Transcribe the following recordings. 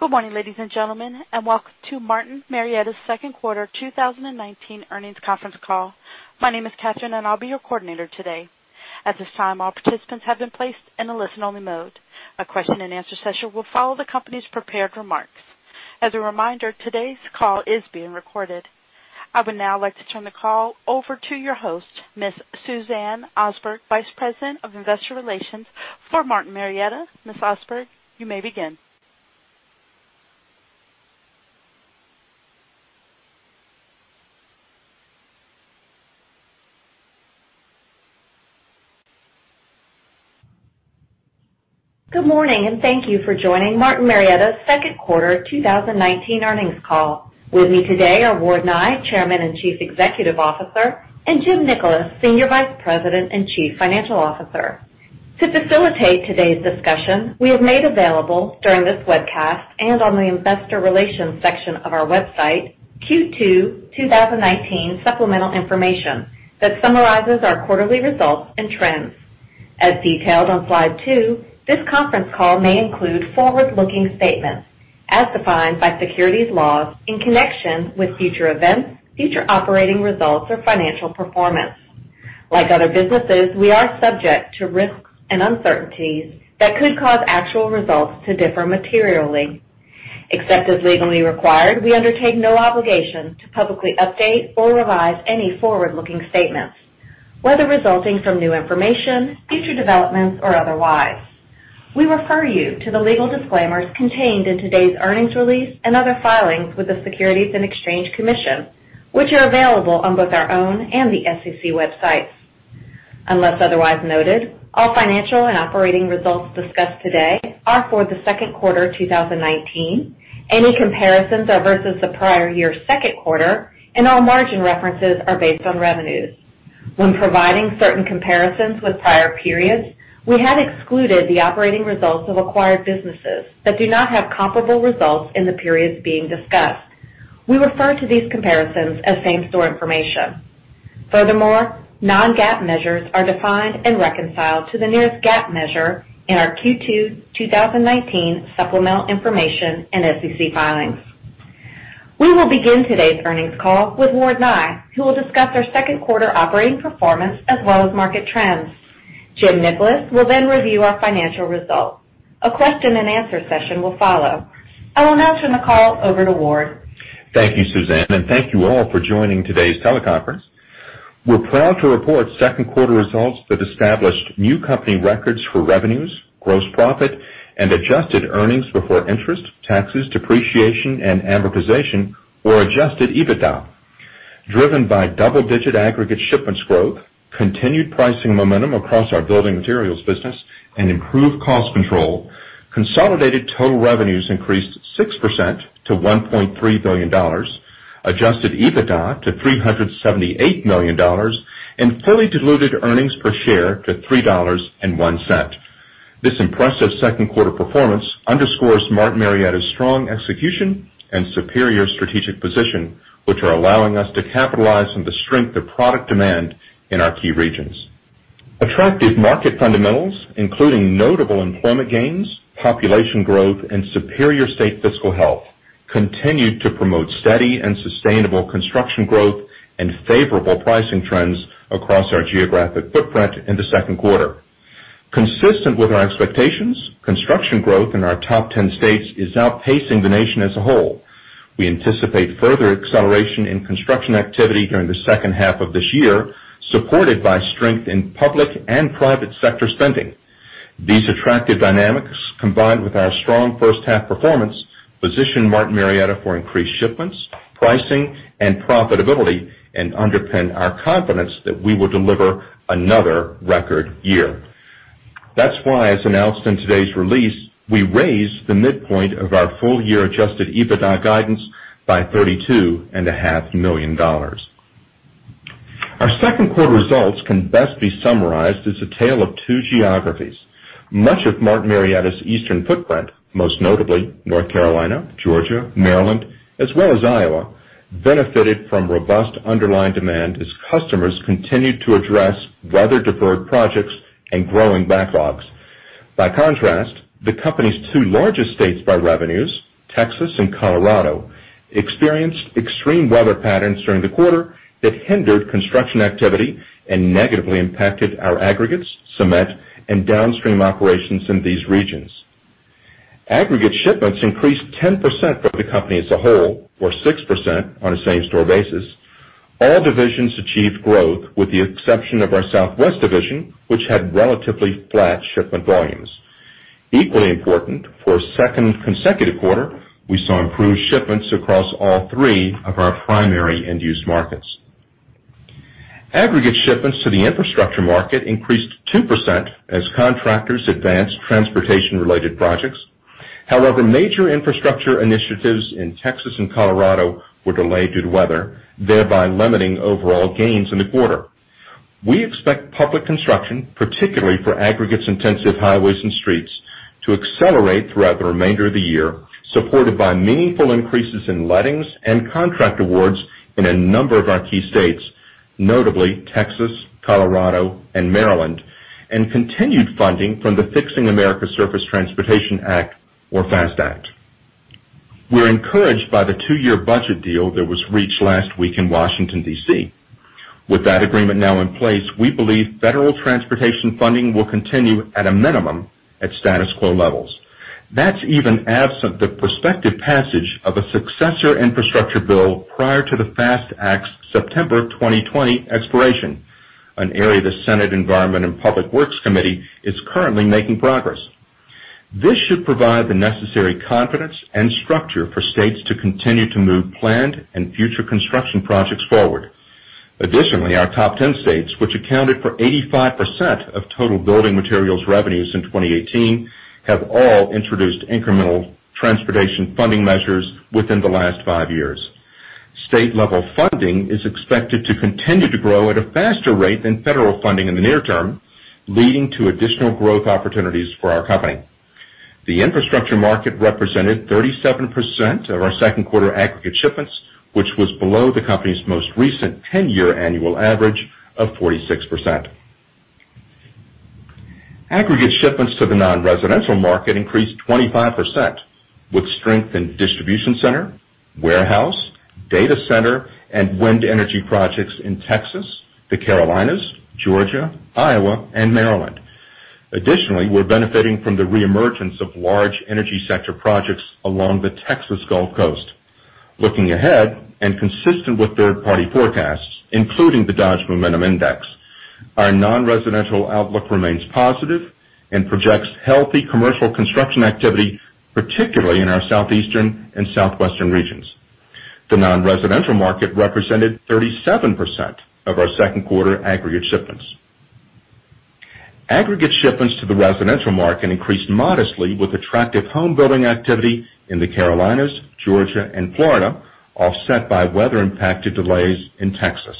Good morning, ladies and gentlemen, and welcome to Martin Marietta's second quarter 2019 earnings conference call. My name is Catherine, and I'll be your coordinator today. At this time, all participants have been placed in a listen-only mode. A question and answer session will follow the company's prepared remarks. As a reminder, today's call is being recorded. I would now like to turn the call over to your host, Ms. Suzanne Osberg, Vice President of Investor Relations for Martin Marietta. Ms. Osberg, you may begin. Good morning, thank you for joining Martin Marietta's second quarter 2019 earnings call. With me today are Ward Nye, Chairman and Chief Executive Officer, and Jim Nickolas, Senior Vice President and Chief Financial Officer. To facilitate today's discussion, we have made available during this webcast and on the investor relations section of our website, Q2 2019 supplemental information that summarizes our quarterly results and trends. As detailed on slide two, this conference call may include forward-looking statements as defined by securities laws in connection with future events, future operating results, or financial performance. Like other businesses, we are subject to risks and uncertainties that could cause actual results to differ materially. Except as legally required, we undertake no obligation to publicly update or revise any forward-looking statements, whether resulting from new information, future developments, or otherwise. We refer you to the legal disclaimers contained in today's earnings release and other filings with the Securities and Exchange Commission, which are available on both our own and the SEC websites. Unless otherwise noted, all financial and operating results discussed today are for the second quarter 2019. Any comparisons are versus the prior year second quarter, and all margin references are based on revenues. When providing certain comparisons with prior periods, we have excluded the operating results of acquired businesses that do not have comparable results in the periods being discussed. We refer to these comparisons as same-store information. Non-GAAP measures are defined and reconciled to the nearest GAAP measure in our Q2 2019 supplemental information and SEC filings. We will begin today's earnings call with Ward Nye, who will discuss our second quarter operating performance as well as market trends. Jim Nickolas will then review our financial results. A question and answer session will follow. I will now turn the call over to Ward. Thank you, Suzanne, and thank you all for joining today's teleconference. We're proud to report second quarter results that established new company records for revenues, gross profit, and adjusted earnings before interest, taxes, depreciation, and amortization, or adjusted EBITDA. Driven by double-digit aggregates shipments growth, continued pricing momentum across our building materials business, and improved cost control, consolidated total revenues increased 6% to $1.3 billion, adjusted EBITDA to $378 million, and fully diluted earnings per share to $3.01. This impressive second quarter performance underscores Martin Marietta's strong execution and superior strategic position, which are allowing us to capitalize on the strength of product demand in our key regions. Attractive market fundamentals, including notable employment gains, population growth, and superior state fiscal health, continued to promote steady and sustainable construction growth and favorable pricing trends across our geographic footprint in the second quarter. Consistent with our expectations, construction growth in our top 10 states is outpacing the nation as a whole. We anticipate further acceleration in construction activity during the second half of this year, supported by strength in public and private sector spending. These attractive dynamics, combined with our strong first half performance, position Martin Marietta for increased shipments, pricing, and profitability, and underpin our confidence that we will deliver another record year. That's why, as announced in today's release, we raised the midpoint of our full-year adjusted EBITDA guidance by $32.5 million. Our second quarter results can best be summarized as a tale of two geographies. Much of Martin Marietta's eastern footprint, most notably North Carolina, Georgia, Maryland, as well as Iowa, benefited from robust underlying demand as customers continued to address weather-deferred projects and growing backlogs. By contrast, the company's two largest states by revenues, Texas and Colorado, experienced extreme weather patterns during the quarter that hindered construction activity and negatively impacted our aggregates, cement, and downstream operations in these regions. Aggregate shipments increased 10% for the company as a whole, or 6% on a same-store basis. All divisions achieved growth with the exception of our Southwest division, which had relatively flat shipment volumes. Equally important, for a second consecutive quarter, we saw improved shipments across all three of our primary end-use markets. Aggregate shipments to the infrastructure market increased 2% as contractors advanced transportation-related projects. However, major infrastructure initiatives in Texas and Colorado were delayed due to weather, thereby limiting overall gains in the quarter. We expect public construction, particularly for aggregates intensive highways and streets, to accelerate throughout the remainder of the year, supported by meaningful increases in lettings and contract awards in a number of our key states, notably Texas, Colorado, and Maryland, and continued funding from the Fixing America's Surface Transportation Act, or FAST Act. We're encouraged by the two-year budget deal that was reached last week in Washington, D.C. With that agreement now in place, we believe federal transportation funding will continue at a minimum at status quo levels. That's even absent the prospective passage of a successor infrastructure bill prior to the FAST Act's September 2020 expiration, an area the Senate Environment and Public Works Committee is currently making progress. This should provide the necessary confidence and structure for states to continue to move planned and future construction projects forward. Additionally, our top 10 states, which accounted for 85% of total building materials revenues in 2018, have all introduced incremental transportation funding measures within the last five years. State-level funding is expected to continue to grow at a faster rate than federal funding in the near term, leading to additional growth opportunities for our company. The infrastructure market represented 37% of our second quarter aggregate shipments, which was below the company's most recent 10-year annual average of 46%. Aggregate shipments to the non-residential market increased 25%, with strength in distribution center, warehouse, data center, and wind energy projects in Texas, the Carolinas, Georgia, Iowa, and Maryland. Additionally, we're benefiting from the re-emergence of large energy sector projects along the Texas Gulf Coast. Looking ahead and consistent with third-party forecasts, including the Dodge Momentum Index, our non-residential outlook remains positive and projects healthy commercial construction activity, particularly in our Southeastern and Southwestern regions. The non-residential market represented 37% of our second quarter aggregate shipments. Aggregate shipments to the residential market increased modestly with attractive home building activity in the Carolinas, Georgia, and Florida, offset by weather-impacted delays in Texas.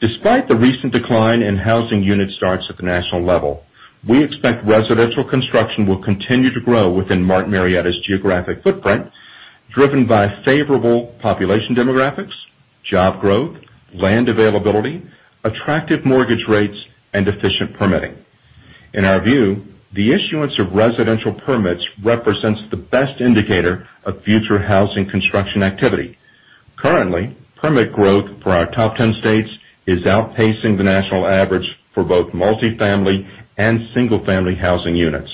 Despite the recent decline in housing unit starts at the national level, we expect residential construction will continue to grow within Martin Marietta's geographic footprint, driven by favorable population demographics, job growth, land availability, attractive mortgage rates, and efficient permitting. In our view, the issuance of residential permits represents the best indicator of future housing construction activity. Currently, permit growth for our top 10 states is outpacing the national average for both multi-family and single-family housing units.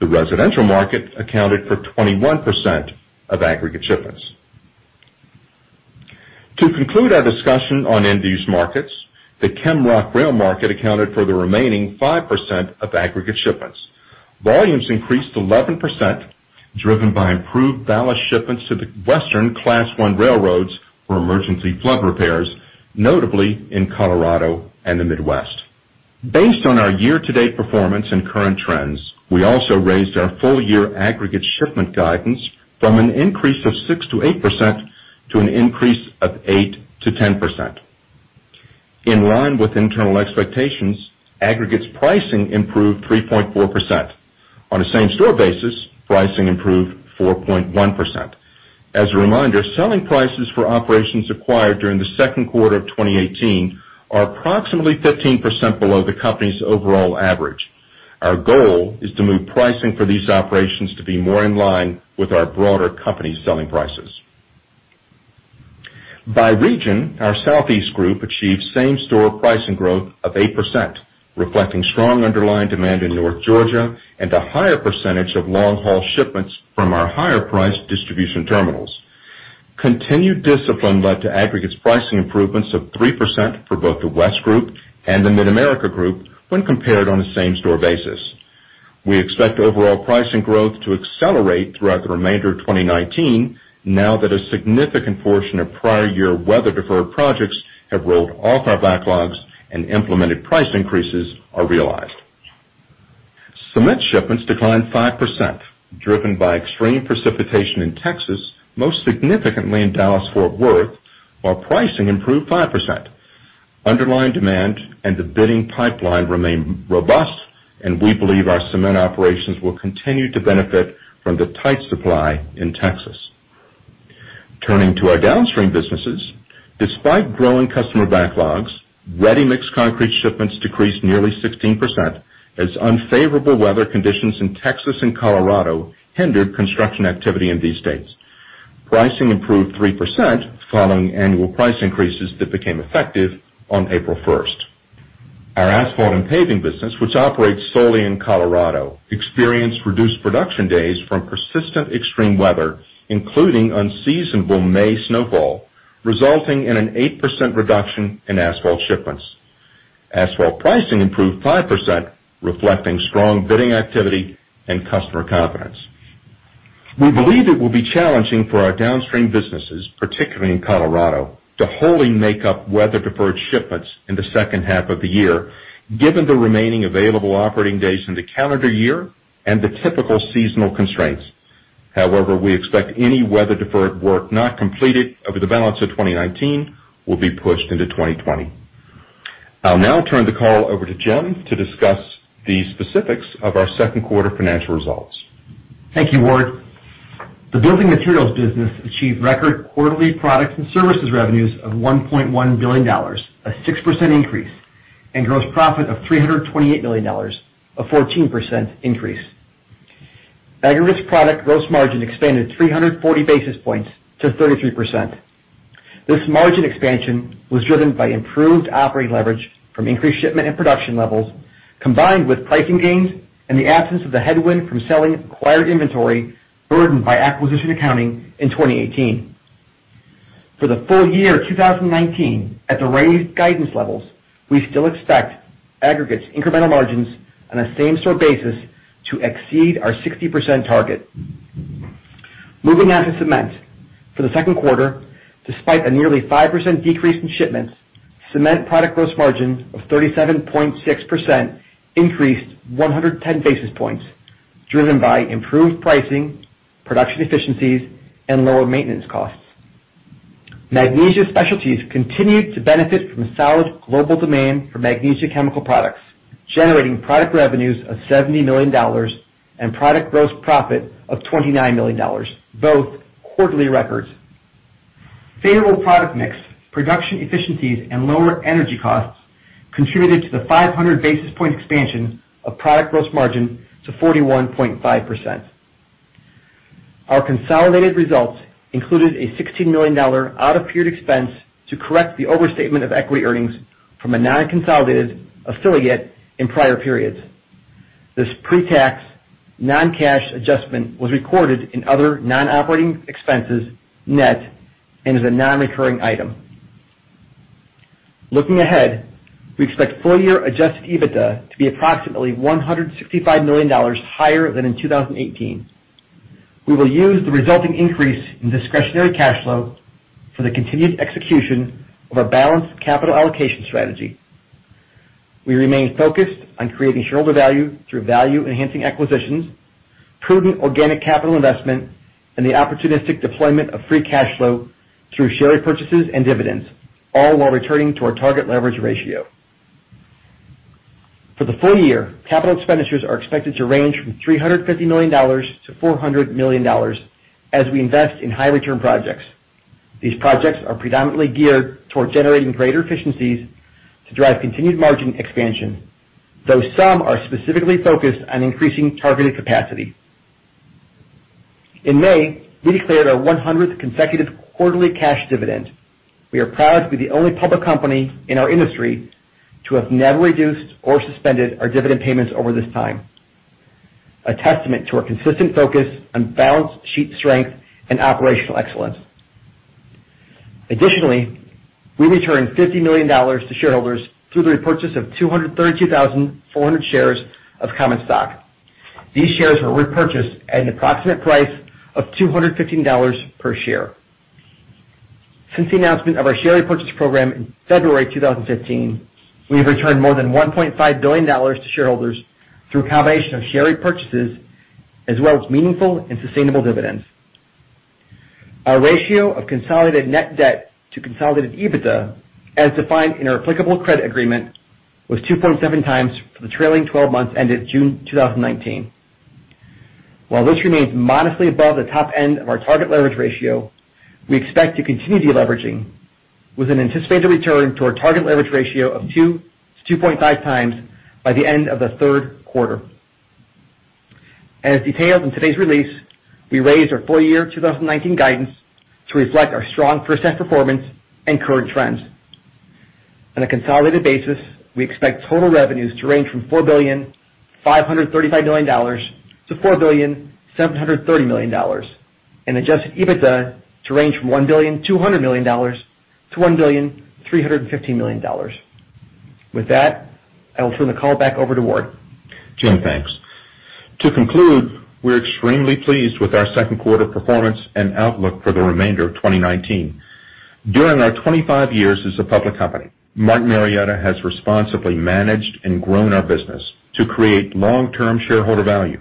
The residential market accounted for 21% of aggregate shipments. To conclude our discussion on end-use markets, the ChemRock/Rail market accounted for the remaining 5% of aggregate shipments. Volumes increased 11%, driven by improved ballast shipments to the Western Class I railroads for emergency flood repairs, notably in Colorado and the Midwest. Based on our year-to-date performance and current trends, we also raised our full-year aggregate shipment guidance from an increase of 6%-8% to an increase of 8%-10%. In line with internal expectations, aggregates pricing improved 3.4%. On a same-store basis, pricing improved 4.1%. As a reminder, selling prices for operations acquired during the second quarter of 2018 are approximately 15% below the company's overall average. Our goal is to move pricing for these operations to be more in line with our broader company selling prices. By region, our Southeast Group achieved same-store pricing growth of 8%, reflecting strong underlying demand in North Georgia and a higher percentage of long-haul shipments from our higher priced distribution terminals. Continued discipline led to aggregates pricing improvements of 3% for both the West Group and the Mid-America Group when compared on a same-store basis. We expect overall pricing growth to accelerate throughout the remainder of 2019 now that a significant portion of prior year weather deferred projects have rolled off our backlogs and implemented price increases are realized. Cement shipments declined 5%, driven by extreme precipitation in Texas, most significantly in Dallas Fort Worth, while pricing improved 5%. Underlying demand and the bidding pipeline remain robust, and we believe our cement operations will continue to benefit from the tight supply in Texas. Turning to our downstream businesses. Despite growing customer backlogs, ready-mix concrete shipments decreased nearly 16% as unfavorable weather conditions in Texas and Colorado hindered construction activity in these states. Pricing improved 3% following annual price increases that became effective on April 1st. Our asphalt and paving business, which operates solely in Colorado, experienced reduced production days from persistent extreme weather, including unseasonable May snowfall, resulting in an 8% reduction in asphalt shipments. Asphalt pricing improved 5%, reflecting strong bidding activity and customer confidence. We believe it will be challenging for our downstream businesses, particularly in Colorado, to wholly make up weather-deferred shipments in the second half of the year, given the remaining available operating days in the calendar year and the typical seasonal constraints. However, we expect any weather-deferred work not completed over the balance of 2019 will be pushed into 2020. I'll now turn the call over to Jim to discuss the specifics of our second quarter financial results. Thank you, Ward. The building materials business achieved record quarterly products and services revenues of $1.1 billion, a 6% increase, and gross profit of $328 million, a 14% increase. Aggregate product gross margin expanded 340 basis points to 33%. This margin expansion was driven by improved operating leverage from increased shipment and production levels, combined with pricing gains and the absence of the headwind from selling acquired inventory burdened by acquisition accounting in 2018. For the full year 2019, at the raised guidance levels, we still expect aggregates incremental margins on a same-store basis to exceed our 60% target. Moving now to cement. For the second quarter, despite a nearly 5% decrease in shipments, cement product gross margins of 37.6% increased 110 basis points, driven by improved pricing, production efficiencies, and lower maintenance costs. Magnesia Specialties continued to benefit from solid global demand for magnesia chemical products, generating product revenues of $70 million and product gross profit of $29 million, both quarterly records. Favorable product mix, production efficiencies, and lower energy costs contributed to the 500 basis point expansion of product gross margin to 41.5%. Our consolidated results included a $16 million out of period expense to correct the overstatement of equity earnings from a non-consolidated affiliate in prior periods. This pre-tax, non-cash adjustment was recorded in other non-operating expenses net and is a non-recurring item. Looking ahead, we expect full-year adjusted EBITDA to be approximately $165 million higher than in 2018. We will use the resulting increase in discretionary cash flow for the continued execution of our balanced capital allocation strategy. We remain focused on creating shareholder value through value-enhancing acquisitions, prudent organic CapEx investment, and the opportunistic deployment of free cash flow through share repurchases and dividends, all while returning to our target leverage ratio. For the full year, CapEx are expected to range from $350 million-$400 million as we invest in high return projects. These projects are predominantly geared toward generating greater efficiencies to drive continued margin expansion, though some are specifically focused on increasing targeted capacity. In May, we declared our 100th consecutive quarterly cash dividend. We are proud to be the only public company in our industry to have never reduced or suspended our dividend payments over this time, a testament to our consistent focus on balance sheet strength and operational excellence. Additionally, we returned $50 million to shareholders through the repurchase of 232,400 shares of common stock. These shares were repurchased at an approximate price of $215 per share. Since the announcement of our share repurchase program in February 2015, we have returned more than $1.5 billion to shareholders through a combination of share repurchases, as well as meaningful and sustainable dividends. Our ratio of consolidated net debt to consolidated EBITDA, as defined in our applicable credit agreement, was 2.7x for the trailing 12 months ended June 2019. While this remains modestly above the top end of our target leverage ratio, we expect to continue deleveraging with an anticipated return to our target leverage ratio of 2x- 2.5x by the end of the third quarter. As detailed in today's release, we raised our full year 2019 guidance to reflect our strong first half performance and current trends. On a consolidated basis, we expect total revenues to range from $4.535 billion to $4.730 billion, and adjusted EBITDA to range from $1.200 billion to $1.315 billion. With that, I will turn the call back over to Ward. Jim, thanks. To conclude, we're extremely pleased with our second quarter performance and outlook for the remainder of 2019. During our 25 years as a public company, Martin Marietta has responsibly managed and grown our business to create long-term shareholder value.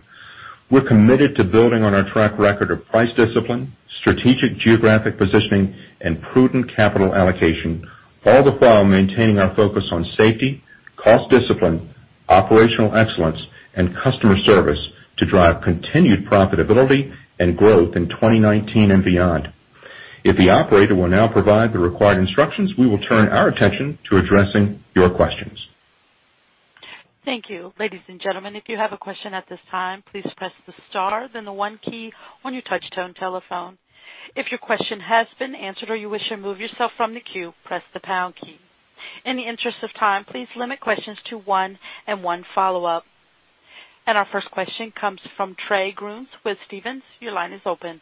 We're committed to building on our track record of price discipline, strategic geographic positioning, and prudent capital allocation, all the while maintaining our focus on safety, cost discipline, operational excellence, and customer service to drive continued profitability and growth in 2019 and beyond. If the operator will now provide the required instructions, we will turn our attention to addressing your questions. Thank you. Ladies and gentlemen, if you have a question at this time, please press the star then the one key on your touch tone telephone. If your question has been answered or you wish to remove yourself from the queue, press the pound key. In the interest of time, please limit questions to one and one follow-up. Our first question comes from Trey Grooms with Stephens. Your line is open.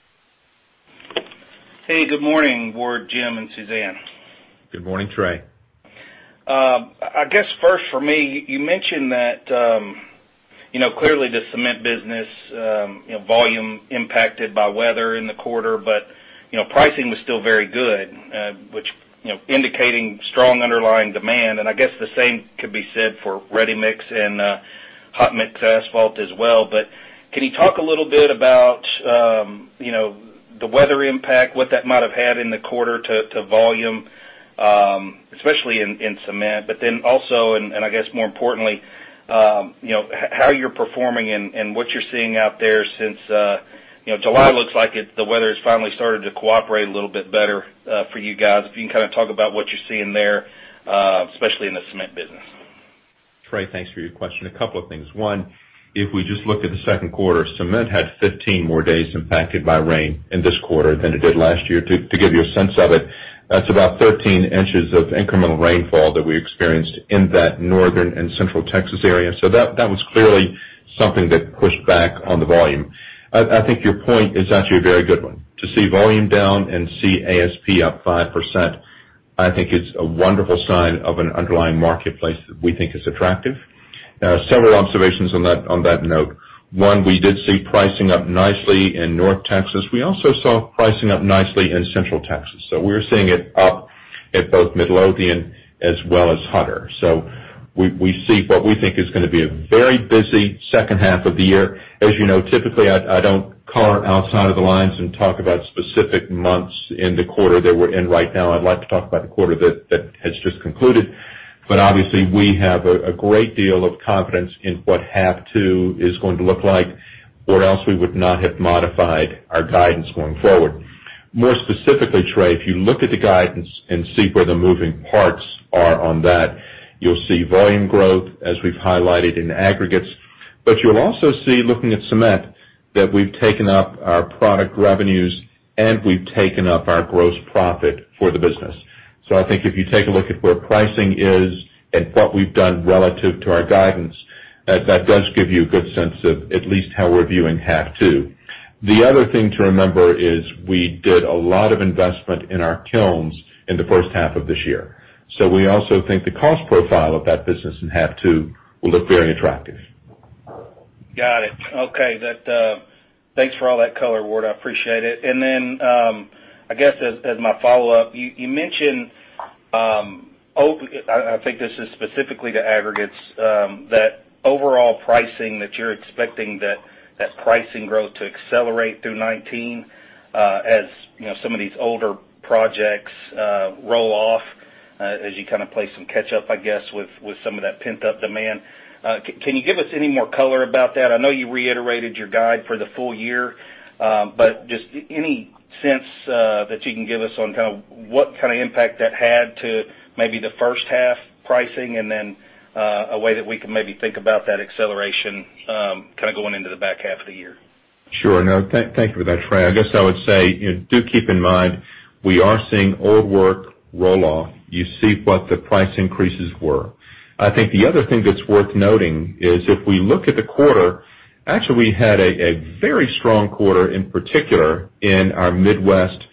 Hey, good morning, Ward, Jim, and Suzanne. Good morning, Trey. I guess first for me, you mentioned that clearly the cement business volume impacted by weather in the quarter, but pricing was still very good, indicating strong underlying demand. I guess the same could be said for ready-mix and hot mix asphalt as well. Can you talk a little bit about the weather impact, what that might have had in the quarter to volume, especially in cement, but then also, and I guess more importantly, how you're performing and what you're seeing out there since July looks like the weather has finally started to cooperate a little bit better for you guys? If you can talk about what you're seeing there, especially in the cement business. Trey, thanks for your question. A couple of things. If we just look at the second quarter, cement had 15 more days impacted by rain in this quarter than it did last year. To give you a sense of it, that's about 13 in of incremental rainfall that we experienced in that Northern and Central Texas area. That was clearly something that pushed back on the volume. I think your point is actually a very good one. To see volume down and see ASP up 5%, I think it's a wonderful sign of an underlying marketplace that we think is attractive. Several observations on that note. We did see pricing up nicely in North Texas. We also saw pricing up nicely in Central Texas. We're seeing it up at both Midlothian as well as Hunter. We see what we think is going to be a very busy second half of the year. As you know, typically, I don't color outside of the lines and talk about specific months in the quarter that we're in right now. I'd like to talk about the quarter that has just concluded. Obviously, we have a great deal of confidence in what half two is going to look like, or else we would not have modified our guidance going forward. More specifically, Trey, if you look at the guidance and see where the moving parts are on that, you'll see volume growth, as we've highlighted in aggregates. You'll also see, looking at cement, that we've taken up our product revenues and we've taken up our gross profit for the business. I think if you take a look at where pricing is and what we've done relative to our guidance, that does give you a good sense of at least how we're viewing half two. The other thing to remember is we did a lot of investment in our kilns in the first half of this year. We also think the cost profile of that business in half two will look very attractive. Got it. Okay. Thanks for all that color, Ward. I appreciate it. I guess as my follow-up, you mentioned, I think this is specifically to aggregates, that overall pricing that you're expecting that pricing growth to accelerate through 2019, as some of these older projects roll off, as you play some catch up, I guess, with some of that pent-up demand. Can you give us any more color about that? I know you reiterated your guide for the full year. Just any sense that you can give us on what kind of impact that had to maybe the first half pricing, and then a way that we can maybe think about that acceleration going into the back half of the year? Sure. No, thank you for that, Trey. I guess I would say, do keep in mind, we are seeing old work roll off. You see what the price increases were. I think the other thing that's worth noting is if we look at the quarter, actually, we had a very strong quarter, in particular in our Midwest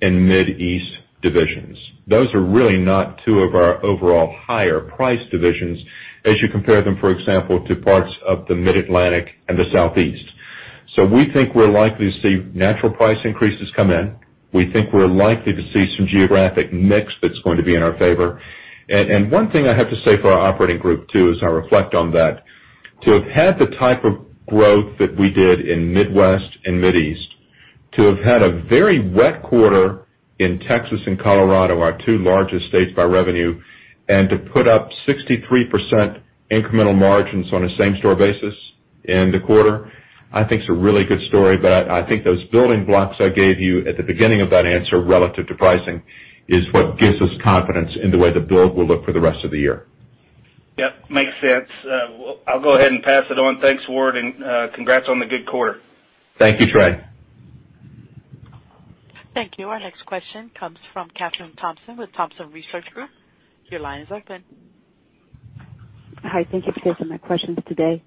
and Mid-East divisions. Those are really not two of our overall higher price divisions as you compare them, for example, to parts of the Mid-Atlantic and the Southeast. We think we're likely to see natural price increases come in. We think we're likely to see some geographic mix that's going to be in our favor. One thing I have to say for our operating group too, as I reflect on that, to have had the type of growth that we did in Midwest and Mid-East, to have had a very wet quarter in Texas and Colorado, our two largest states by revenue, and to put up 63% incremental margins on a same-store basis in the quarter, I think is a really good story. I think those building blocks I gave you at the beginning of that answer relative to pricing is what gives us confidence in the way the build will look for the rest of the year. Yep, makes sense. I'll go ahead and pass it on. Thanks, Ward, and congrats on the good quarter. Thank you, Trey. Thank you. Our next question comes from Kathryn Thompson with Thompson Research Group. Your line is open. Hi, thank you for taking my questions today.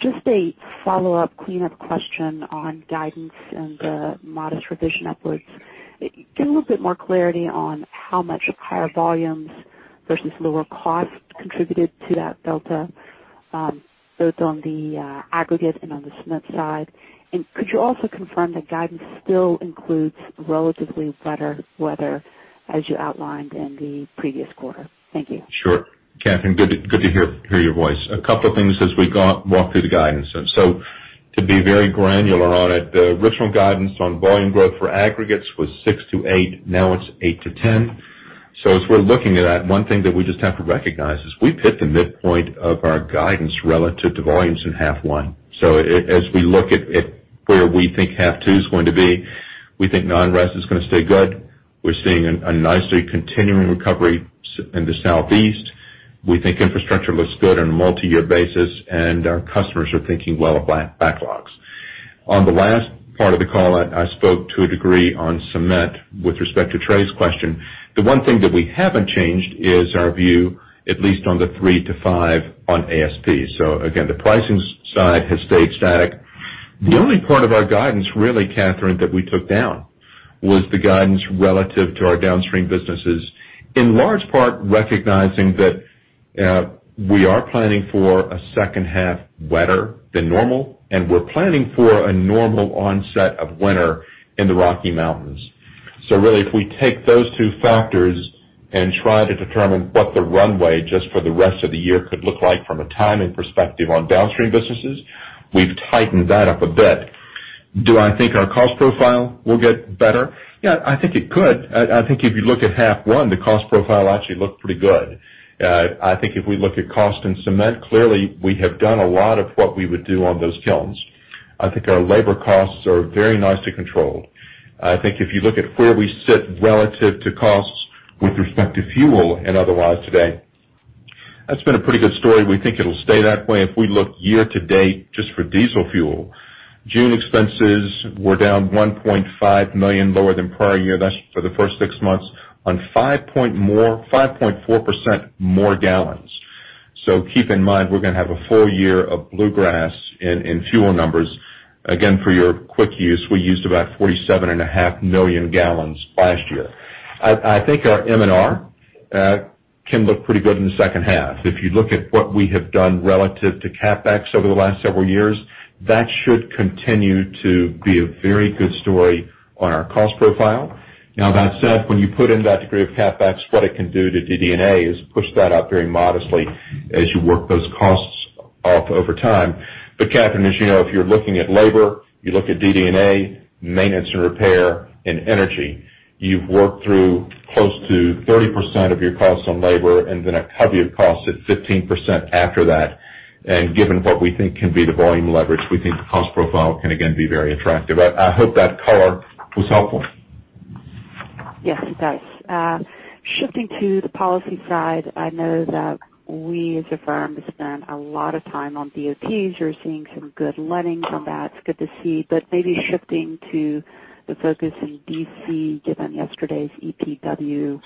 Just a follow-up cleanup question on guidance and the modest revision upwards. Can you give a little bit more clarity on how much higher volumes versus lower cost contributed to that delta, both on the aggregate and on the cement side? Could you also confirm that guidance still includes relatively better weather as you outlined in the previous quarter? Thank you. Sure. Kathryn, good to hear your voice. A couple of things as we walk through the guidance. To be very granular on it, the original guidance on volume growth for aggregates was 6%-8%. Now it's 8%-10%. As we're looking at that, one thing that we just have to recognize is we've hit the midpoint of our guidance relative to volumes in half one. As we look at where we think half two's going to be, we think non-res is going to stay good. We're seeing a nicely continuing recovery in the Southeast. We think infrastructure looks good on a multi-year basis, and our customers are thinking well of backlogs. On the last part of the call, I spoke to a degree on cement with respect to Trey's question. The one thing that we haven't changed is our view, at least on the three to five on ASP. Again, the pricing side has stayed static. The only part of our guidance, really, Kathryn, that we took down was the guidance relative to our downstream businesses, in large part recognizing that we are planning for a second half wetter than normal, and we're planning for a normal onset of winter in the Rocky Mountains. Really, if we take those two factors and try to determine what the runway just for the rest of the year could look like from a timing perspective on downstream businesses, we've tightened that up a bit. Do I think our cost profile will get better? Yeah, I think it could. I think if you look at half one, the cost profile actually looked pretty good. I think if we look at cost and cement, clearly, we have done a lot of what we would do on those kilns. I think our labor costs are very nicely controlled. I think if you look at where we sit relative to costs with respect to fuel and otherwise today, that's been a pretty good story. We think it'll stay that way. If we look year-to-date, just for diesel fuel, June expenses were down $1.5 million lower than prior year. That's for the first six months on 5.4% more gallons. Keep in mind, we're going to have a full year of Bluegrass in fuel numbers. Again, for your quick use, we used about 47.5 million gallons last year. I think our M&R can look pretty good in the second half. If you look at what we have done relative to CapEx over the last several years, that should continue to be a very good story on our cost profile. Now, that said, when you put in that degree of CapEx, what it can do to DD&A is push that up very modestly as you work those costs off over time. Kathryn, as you know, if you're looking at labor, you look at DD&A, maintenance and repair, and energy. You've worked through close to 30% of your costs on labor and then a cubby of costs at 15% after that. Given what we think can be the volume leverage, we think the cost profile can again be very attractive. I hope that color was helpful. Yes, it does. Shifting to the policy side, I know that we as a firm spend a lot of time on DOTs. You're seeing some good lending from that. It's good to see, but maybe shifting to the focus in D.C. given yesterday's EPW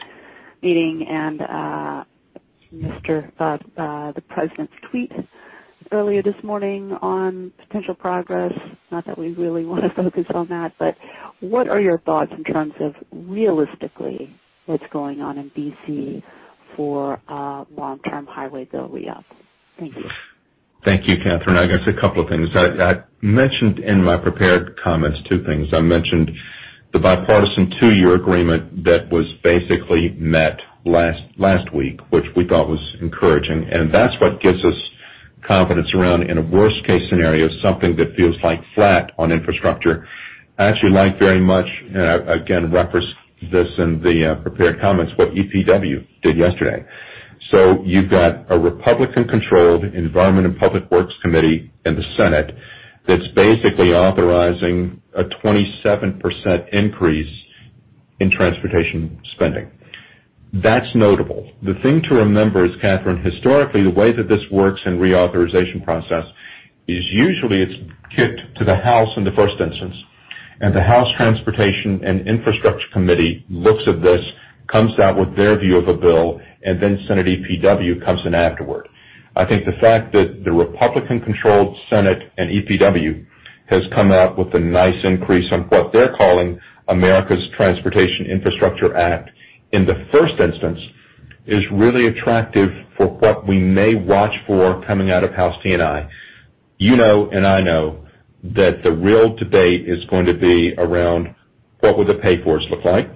meeting and the President's tweet earlier this morning on potential progress. Not that we really want to focus on that, but what are your thoughts in terms of realistically what's going on in D.C. for long-term highway build reup? Thank you. Thank you, Kathryn. I guess a couple of things. I mentioned in my prepared comments two things. I mentioned the bipartisan two-year agreement that was basically met last week, which we thought was encouraging. That's what gives us confidence around, in a worst-case scenario, something that feels like flat on infrastructure. I actually like very much, I again reference this in the prepared comments, what EPW did yesterday. You've got a Republican-controlled Environment and Public Works Committee in the Senate that's basically authorizing a 27% increase in transportation spending. That's notable. The thing to remember is, Kathryn, historically, the way that this works in reauthorization process is usually it's kicked to the House in the first instance, the House Transportation and Infrastructure Committee looks at this, comes out with their view of a bill, then Senate EPW comes in afterward. I think the fact that the Republican-controlled Senate and EPW has come out with a nice increase on what they're calling America's Transportation Infrastructure Act in the first instance is really attractive for what we may watch for coming out of House T&I. You know and I know that the real debate is going to be around what would the pay-fors look like.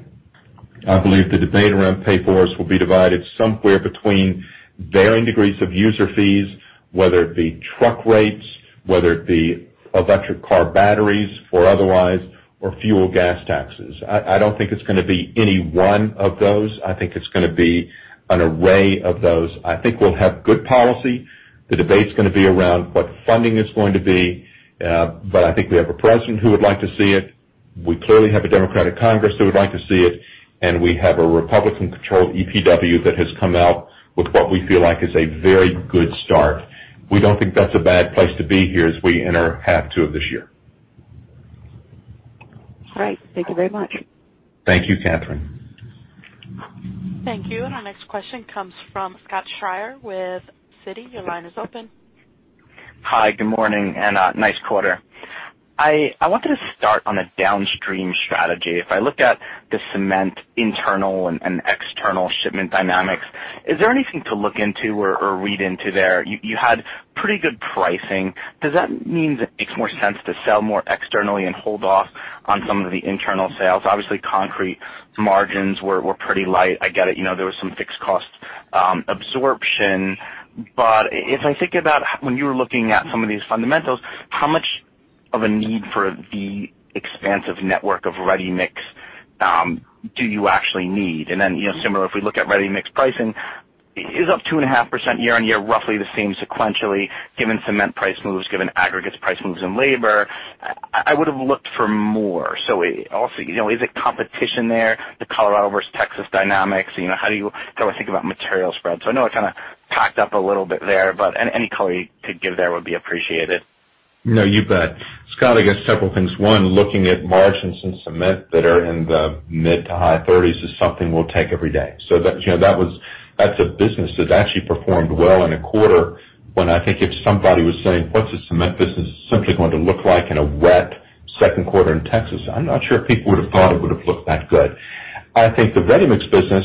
I believe the debate around pay-fors will be divided somewhere between varying degrees of user fees, whether it be truck rates, whether it be electric car batteries or otherwise, or fuel gas taxes. I don't think it's going to be any one of those. I think it's going to be an array of those. I think we'll have good policy. The debate's going to be around what funding is going to be. I think we have a president who would like to see it. We clearly have a Democratic Congress that would like to see it, and we have a Republican-controlled EPW that has come out with what we feel like is a very good start. We don't think that's a bad place to be here as we enter half two of this year. All right. Thank you very much. Thank you, Kathryn. Thank you. Our next question comes from Scott Schrier with Citi. Your line is open. Hi, good morning. Nice quarter. I wanted to start on a downstream strategy. If I looked at the cement internal and external shipment dynamics, is there anything to look into or read into there? You had pretty good pricing. Does that mean that it makes more sense to sell more externally and hold off on some of the internal sales? Obviously, concrete margins were pretty light. I get it. There was some fixed cost absorption. If I think about when you were looking at some of these fundamentals, how much of a need for the expansive network of ready-mix do you actually need? Similar, if we look at ready-mix pricing, it is up 2.5% year-on-year, roughly the same sequentially, given cement price moves, given aggregates price moves and labor. I would have looked for more. Also, is there competition there, the Colorado versus Texas dynamics? How do you think about material spread? I know I kind of packed up a little bit there, but any color you could give there would be appreciated. No, you bet. Scott, I guess several things. One, looking at margins in cement that are in the mid to high 30s is something we'll take every day. That's a business that actually performed well in a quarter when I think if somebody was saying, "What's the cement business simply going to look like in a wet second quarter in Texas?" I'm not sure if people would have thought it would have looked that good. I think the ready-mix business,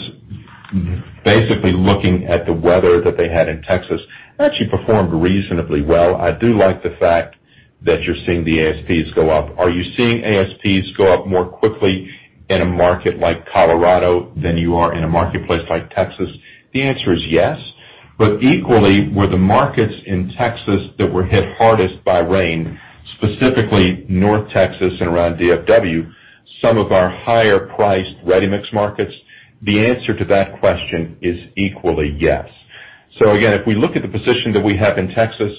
basically looking at the weather that they had in Texas, actually performed reasonably well. I do like the fact that you're seeing the ASPs go up. Are you seeing ASPs go up more quickly in a market like Colorado than you are in a marketplace like Texas? The answer is yes. Equally were the markets in Texas that were hit hardest by rain, specifically North Texas and around DFW, some of our higher priced ready-mix markets? The answer to that question is equally yes. Again, if we look at the position that we have in Texas,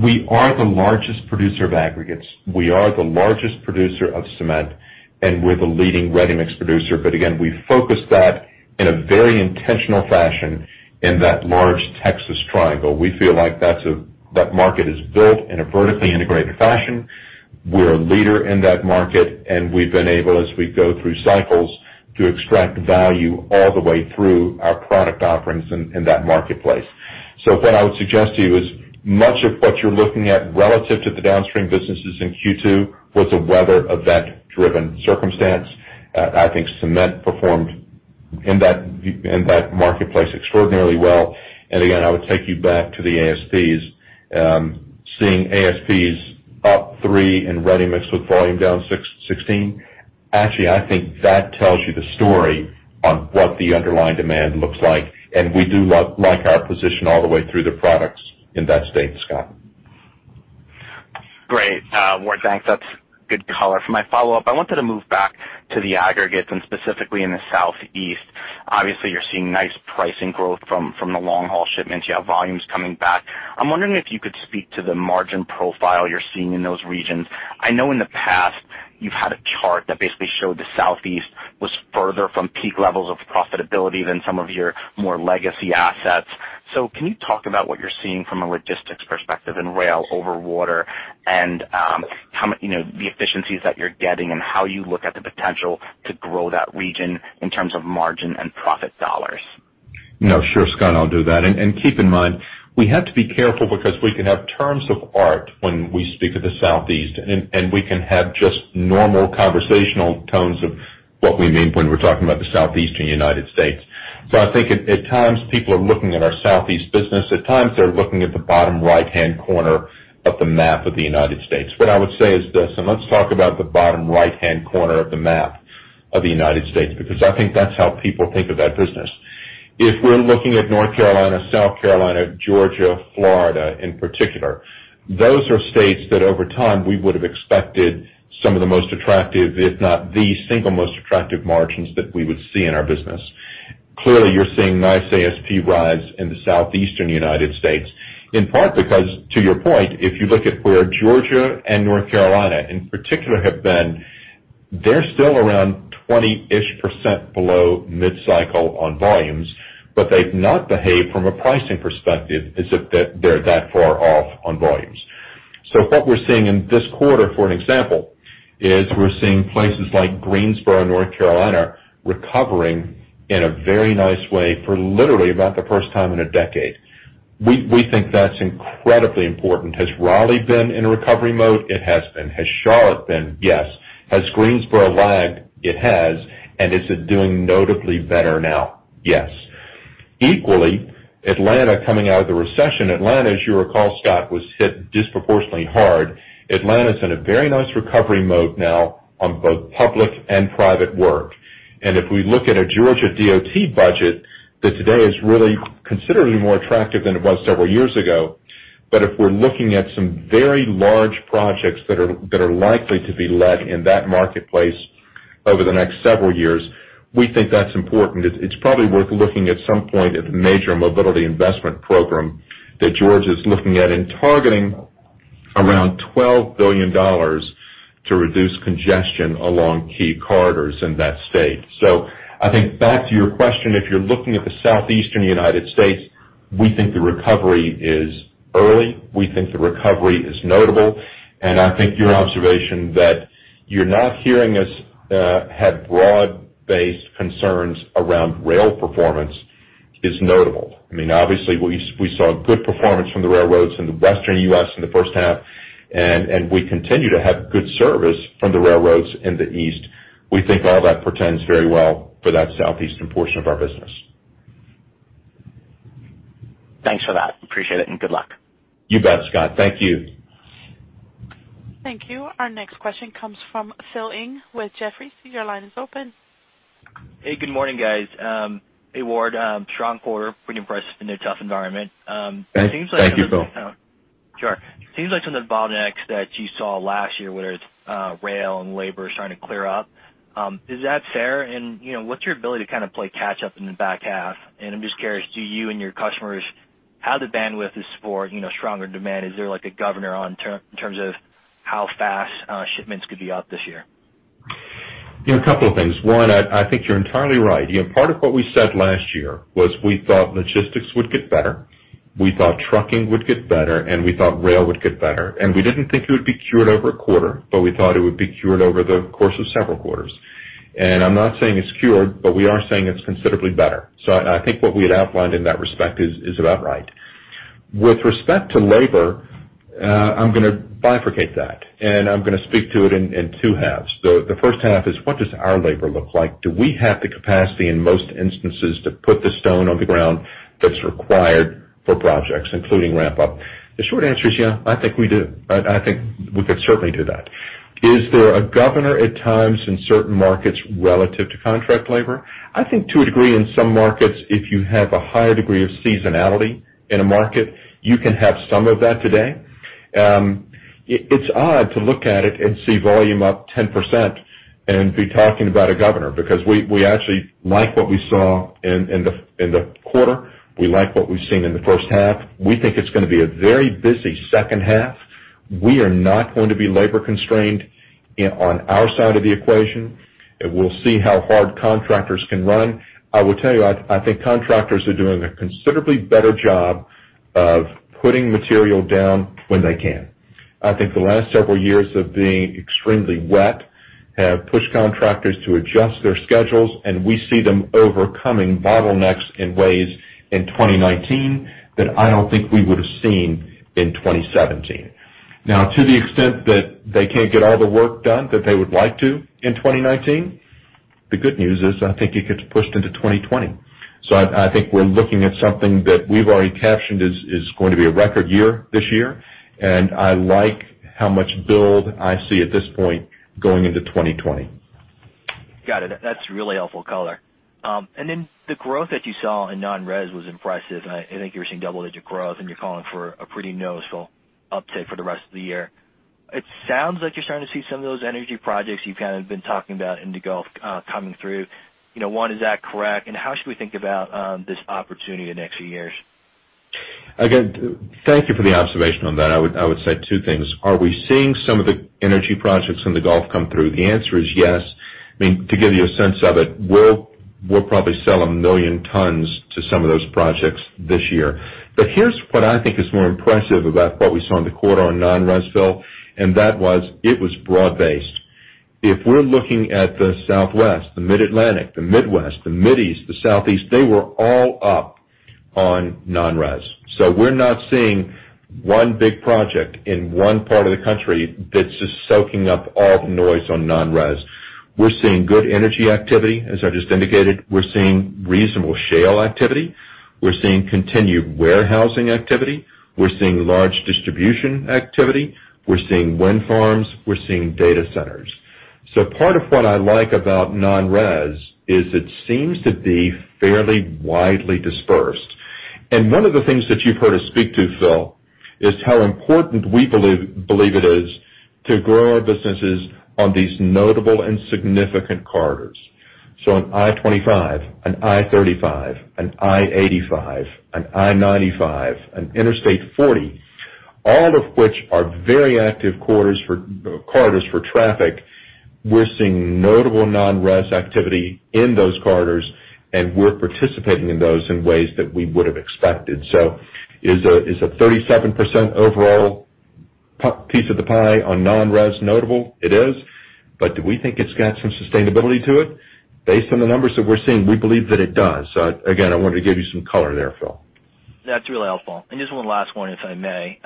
we are the largest producer of aggregates, we are the largest producer of cement, and we're the leading ready-mix producer. Again, we focus that in a very intentional fashion in that large Texas triangle. We feel like that market is built in a vertically integrated fashion. We're a leader in that market, and we've been able, as we go through cycles, to extract value all the way through our product offerings in that marketplace. What I would suggest to you is much of what you're looking at relative to the downstream businesses in Q2 was a weather event-driven circumstance. I think cement performed in that marketplace extraordinarily well. Again, I would take you back to the ASPs. Seeing ASPs up 3% and ready-mix with volume down 16%. Actually, I think that tells you the story on what the underlying demand looks like, and we do like our position all the way through the products in that state, Scott. Great. Ward, thanks. That's good color. For my follow-up, I wanted to move back to the aggregates, and specifically in the Southeast. Obviously, you're seeing nice pricing growth from the long-haul shipments. You have volumes coming back. I'm wondering if you could speak to the margin profile you're seeing in those regions. I know in the past you've had a chart that basically showed the Southeast was further from peak levels of profitability than some of your more legacy assets. Can you talk about what you're seeing from a logistics perspective in rail over water and the efficiencies that you're getting and how you look at the potential to grow that region in terms of margin and profit dollars? Sure, Scott, I'll do that. Keep in mind, we have to be careful because we can have terms of art when we speak of the Southeast, and we can have just normal conversational tones of what we mean when we're talking about the Southeastern U.S. I think at times people are looking at our Southeast business. At times they're looking at the bottom right-hand corner of the map of the U.S. What I would say is this, let's talk about the bottom right-hand corner of the map of the U.S., because I think that's how people think of that business. If we're looking at North Carolina, South Carolina, Georgia, Florida in particular, those are states that over time we would have expected some of the most attractive, if not the single most attractive margins that we would see in our business. You're seeing nice ASP rise in the Southeastern United States, in part because, to your point, if you look at where Georgia and North Carolina in particular have been, they're still around 20-ish% below mid-cycle on volumes, but they've not behaved from a pricing perspective as if they're that far off on volumes. What we're seeing in this quarter, for example, is we're seeing places like Greensboro, North Carolina, recovering in a very nice way for literally about the first time in a decade. We think that's incredibly important. Has Raleigh been in recovery mode? It has been. Has Charlotte been? Yes. Has Greensboro lagged? It has. Is it doing notably better now? Yes. Equally, Atlanta coming out of the recession. Atlanta, as you recall, Scott, was hit disproportionately hard. Atlanta's in a very nice recovery mode now on both public and private work. If we look at a Georgia DOT budget, that today is really considerably more attractive than it was several years ago. If we're looking at some very large projects that are likely to be led in that marketplace over the next several years, we think that's important. It's probably worth looking at some point at the major mobility investment program that Georgia is looking at in targeting around $12 billion to reduce congestion along key corridors in that state. I think back to your question, if you're looking at the Southeastern United States, we think the recovery is early, we think the recovery is notable, and I think your observation that you're not hearing us have broad-based concerns around rail performance is notable. We saw good performance from the railroads in the Western U.S. in the first half, and we continue to have good service from the railroads in the East. We think all that portends very well for that Southeastern portion of our business. Thanks for that. Appreciate it. Good luck. You bet, Scott. Thank you. Thank you. Our next question comes from Phil Ng with Jefferies. Your line is open. Hey, good morning, guys. Hey, Ward. Strong quarter pretty impressive in a tough environment. Thank you, Phil. Sure. It seems like some of the bottlenecks that you saw last year, whether it's rail and labor starting to clear up. Is that fair? What's your ability to kind of play catch up in the back half? I'm just curious, do you and your customers have the bandwidth for stronger demand? Is there like a governor in terms of how fast shipments could be up this year? A couple of things. One, I think you're entirely right. Part of what we said last year was we thought logistics would get better, we thought trucking would get better, and we thought rail would get better. We didn't think it would be cured over a quarter, but we thought it would be cured over the course of several quarters. I'm not saying it's cured, but we are saying it's considerably better. I think what we had outlined in that respect is about right. With respect to labor, I'm going to bifurcate that, and I'm going to speak to it in two halves. The first half is what does our labor look like? Do we have the capacity in most instances to put the stone on the ground that's required for projects, including ramp up? The short answer is yeah, I think we do. I think we could certainly do that. Is there a governor at times in certain markets relative to contract labor? I think to a degree in some markets, if you have a higher degree of seasonality in a market, you can have some of that today. It's odd to look at it and see volume up 10% and be talking about a governor, because we actually like what we saw in the quarter. We like what we've seen in the first half. We think it's going to be a very busy second half. We are not going to be labor constrained on our side of the equation. We'll see how hard contractors can run. I will tell you, I think contractors are doing a considerably better job of putting material down when they can. I think the last several years of being extremely wet have pushed contractors to adjust their schedules, and we see them overcoming bottlenecks in ways in 2019 that I don't think we would've seen in 2017. Now, to the extent that they can't get all the work done that they would like to in 2019, the good news is I think it gets pushed into 2020. I think we're looking at something that we've already captioned is going to be a record year this year, and I like how much build I see at this point going into 2020. Got it. That's really helpful color. The growth that you saw in non-res was impressive. I think you were seeing double-digit growth, and you're calling for a pretty noticeable uptick for the rest of the year. It sounds like you're starting to see some of those energy projects you've kind of been talking about in the Gulf coming through. One, is that correct, and how should we think about this opportunity in the next few years? Again, thank you for the observation on that. I would say two things. Are we seeing some of the energy projects in the Gulf come through? The answer is yes. To give you a sense of it, we'll probably sell 1 million tons to some of those projects this year. Here's what I think is more impressive about what we saw in the quarter on non-res, Phil, and that was it was broad-based. If we're looking at the Southwest, the Mid-Atlantic, the Midwest, the Mideast, the Southeast, they were all up on non-res. We're not seeing one big project in one part of the country that's just soaking up all the noise on non-res. We're seeing good energy activity, as I just indicated. We're seeing reasonable shale activity. We're seeing continued warehousing activity. We're seeing large distribution activity. We're seeing wind farms. We're seeing data centers. Part of what I like about non-res is it seems to be fairly widely dispersed. One of the things that you've heard us speak to, Phil, is how important we believe it is to grow our businesses on these notable and significant corridors. An I-25, an I-35, an I-85, an I-95, an Interstate 40, all of which are very active corridors for traffic. We're seeing notable non-res activity in those corridors, and we're participating in those in ways that we would've expected. Is a 37% overall piece of the pie on non-res notable? It is. Do we think it's got some sustainability to it? Based on the numbers that we're seeing, we believe that it does. Again, I wanted to give you some color there, Phil. That's really helpful. Just one last one, if I may.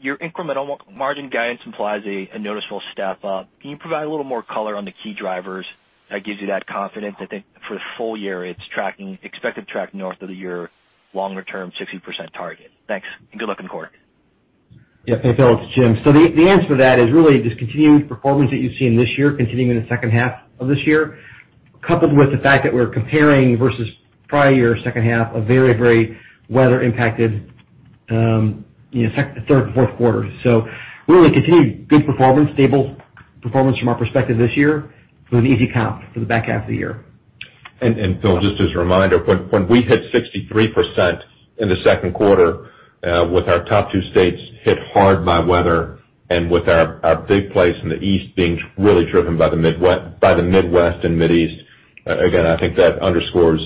Your incremental margin guidance implies a noticeable step up. Can you provide a little more color on the key drivers that gives you that confidence that for the full year, it's tracking expected track north of the year longer term 60% target? Thanks. Good luck in the quarter. Yeah. Hey, Phil, it's Jim. The answer to that is really this continued performance that you've seen this year continuing in the second half of this year, coupled with the fact that we're comparing versus prior-year second half a very, very weather-impacted third and fourth quarters. Really continued good performance, stable performance from our perspective this year with an easy comp for the back half of the year. Phil, just as a reminder, when we hit 63% in the second quarter with our top two states hit hard by weather and with our big plays in the East being really driven by the Midwest and Mideast, again, I think that underscores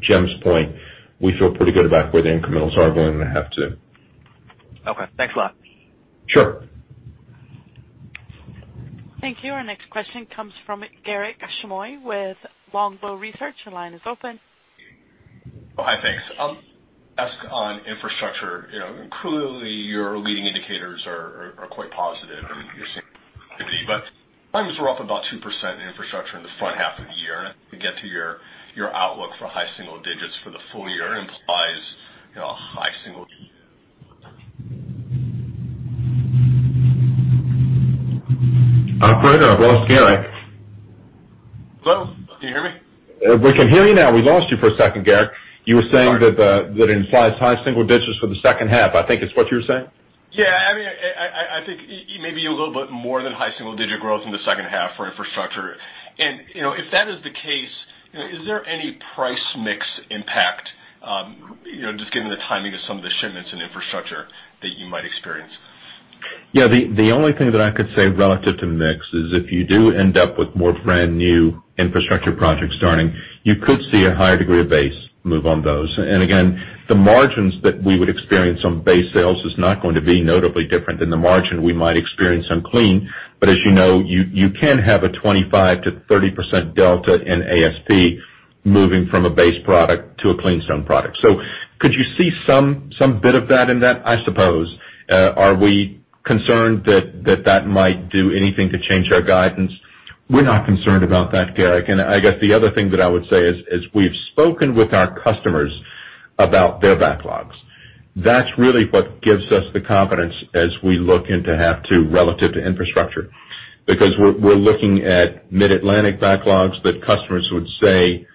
Jim's point. We feel pretty good about where the incrementals are going in half two. Okay. Thanks a lot. Sure. Thank you. Our next question comes from Garik Shmois with Longbow Research. Your line is open. Hi, thanks. Ask on infrastructure. Clearly, your leading indicators are quite positive, and you're seeing activity. Volumes were up about 2% in infrastructure in the front half of the year, and to get to your outlook for high single digits for the full year implies. Operator, I've lost Garik. Hello? Can you hear me? We can hear you now. We lost you for a second, Garik. You were saying that it implies high single digits for the second half, I think is what you were saying? Yeah. I think maybe a little bit more than high single digit growth in the second half for infrastructure. If that is the case, is there any price mix impact, just given the timing of some of the shipments in infrastructure that you might experience? Yeah. The only thing that I could say relative to mix is if you do end up with more brand new infrastructure projects starting, you could see a higher degree of base move on those. Again, the margins that we would experience on base sales is not going to be notably different than the margin we might experience on clean. As you know, you can have a 25%-30% delta in ASP moving from a base product to a clean stone product. Could you see some bit of that in that? I suppose. Are we concerned that that might do anything to change our guidance? We're not concerned about that, Garik. I guess the other thing that I would say is we've spoken with our customers about their backlogs. That's really what gives us the confidence as we look into half two relative to infrastructure. We're looking at Mid-Atlantic backlogs that customers would say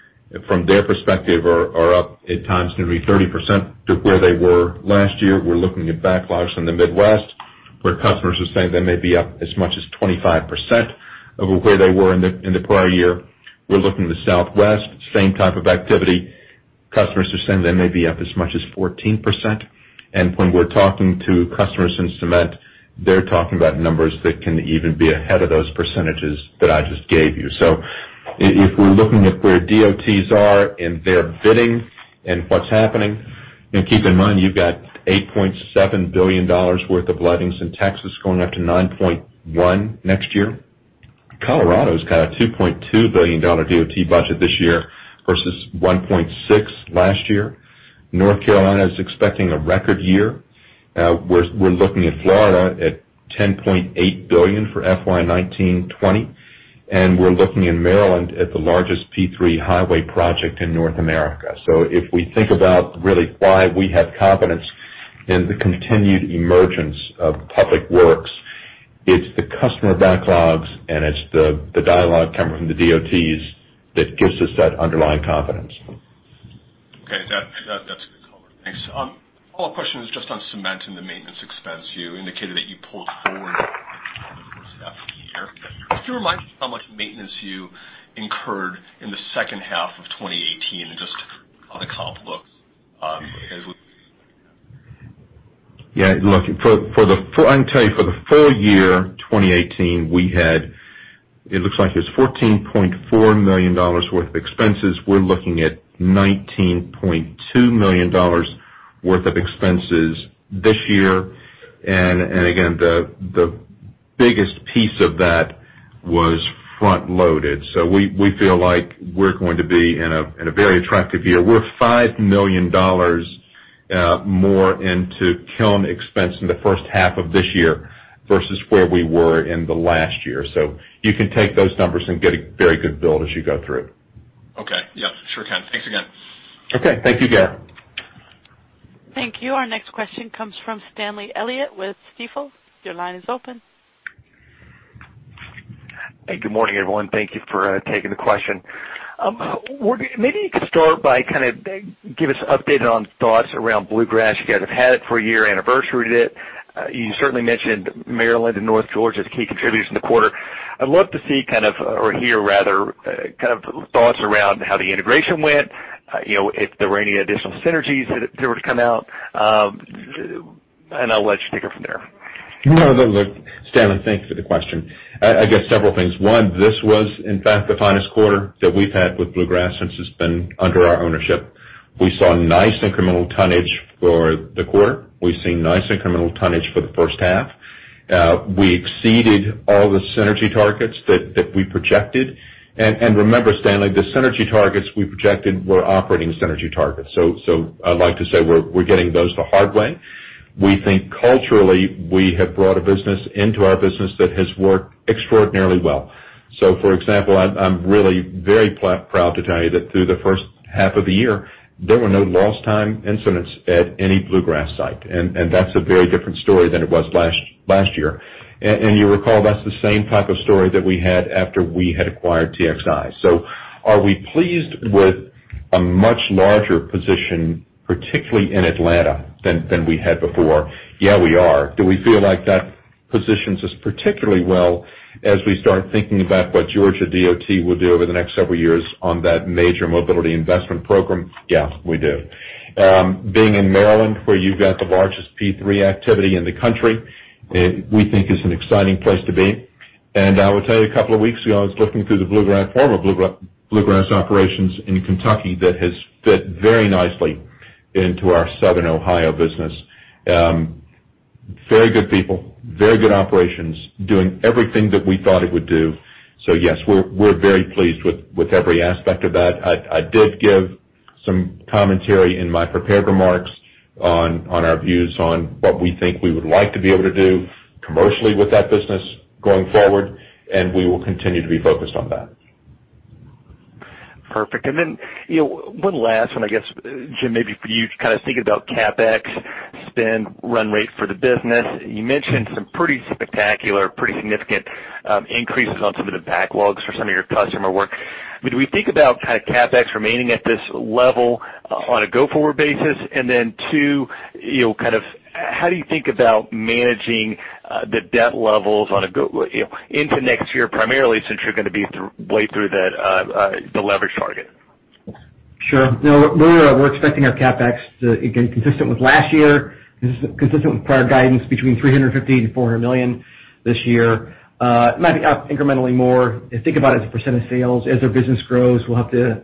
from their perspective are up at times nearly 30% to where they were last year. We're looking at backlogs in the Midwest, where customers are saying they may be up as much as 25% of where they were in the prior year. We're looking in the Southwest, same type of activity. Customers are saying they may be up as much as 14%. When we're talking to customers in cement, they're talking about numbers that can even be ahead of those percentages that I just gave you. If we're looking at where DOTs are in their bidding and what's happening, and keep in mind, you've got $8.7 billion worth of lettings in Texas going up to $9.1 billion next year. Colorado's got a $2.2 billion DOT budget this year versus $1.6 billion last year. North Carolina is expecting a record year. We're looking at Florida at $10.8 billion for FY 2019-2020, and we're looking in Maryland at the largest P3 highway project in North America. If we think about really why we have confidence in the continued emergence of public works, it's the customer backlogs, and it's the dialogue coming from the DOTs that gives us that underlying confidence. Okay. That's a good color. Thanks. Follow-up question is just on cement and the maintenance expense. You indicated that you pulled forward first half of the year. Can you remind me how much maintenance you incurred in the second half of 2018 and just how the comp looks. Yeah, look, I can tell you for the full year 2018, we had $14.4 million worth of expenses. We're looking at $19.2 million worth of expenses this year. Again, the biggest piece of that was front-loaded. We feel like we're going to be in a very attractive year. We're $5 million more into kiln expense in the first half of this year versus where we were in the last year. You can take those numbers and get a very good build as you go through. Okay. Yeah, sure can. Thanks again. Okay. Thank you, Garik. Thank you. Our next question comes from Stanley Elliott with Stifel. Your line is open. Hey, good morning, everyone. Thank you for taking the question. Maybe you could start by kind of give us an update on thoughts around Bluegrass. You guys have had it for a year, anniversaried it. You certainly mentioned Maryland and North Georgia as key contributors in the quarter. I'd love to see kind of, or hear rather, kind of thoughts around how the integration went, if there were any additional synergies that were to come out, and I'll let you take it from there. No, look, Stanley, thanks for the question. I guess several things. One, this was in fact the finest quarter that we've had with Bluegrass since it's been under our ownership. We saw nice incremental tonnage for the quarter. We've seen nice incremental tonnage for the first half. We exceeded all the synergy targets that we projected. Remember, Stanley, the synergy targets we projected were operating synergy targets. I'd like to say we're getting those the hard way. We think culturally, we have brought a business into our business that has worked extraordinarily well. For example, I'm really very proud to tell you that through the first half of the year, there were no lost time incidents at any Bluegrass site, and that's a very different story than it was last year. You recall that's the same type of story that we had after we had acquired TXI. Are we pleased with a much larger position, particularly in Atlanta, than we had before? Yeah, we are. Do we feel like that positions us particularly well as we start thinking about what Georgia DOT will do over the next several years on that major mobility investment program? Yeah, we do. Being in Maryland, where you've got the largest P3 activity in the country, we think is an exciting place to be. I will tell you, a couple of weeks ago, I was looking through the former Bluegrass operations in Kentucky that has fit very nicely into our southern Ohio business. Very good people, very good operations, doing everything that we thought it would do. Yes, we're very pleased with every aspect of that. I did give some commentary in my prepared remarks on our views on what we think we would like to be able to do commercially with that business going forward, and we will continue to be focused on that. Perfect. One last one, I guess, Jim, maybe for you to kind of think about CapEx spend run rate for the business. You mentioned some pretty spectacular, pretty significant increases on some of the backlogs for some of your customer work. I mean, do we think about kind of CapEx remaining at this level on a go-forward basis? Two, how do you think about managing the debt levels into next year, primarily since you're going to be way through the leverage target? Sure. We're expecting our CapEx to, again, consistent with last year, consistent with prior guidance between $350 million-$400 million this year. It might be up incrementally more. Think about it as a percent of sales. As our business grows, we'll have to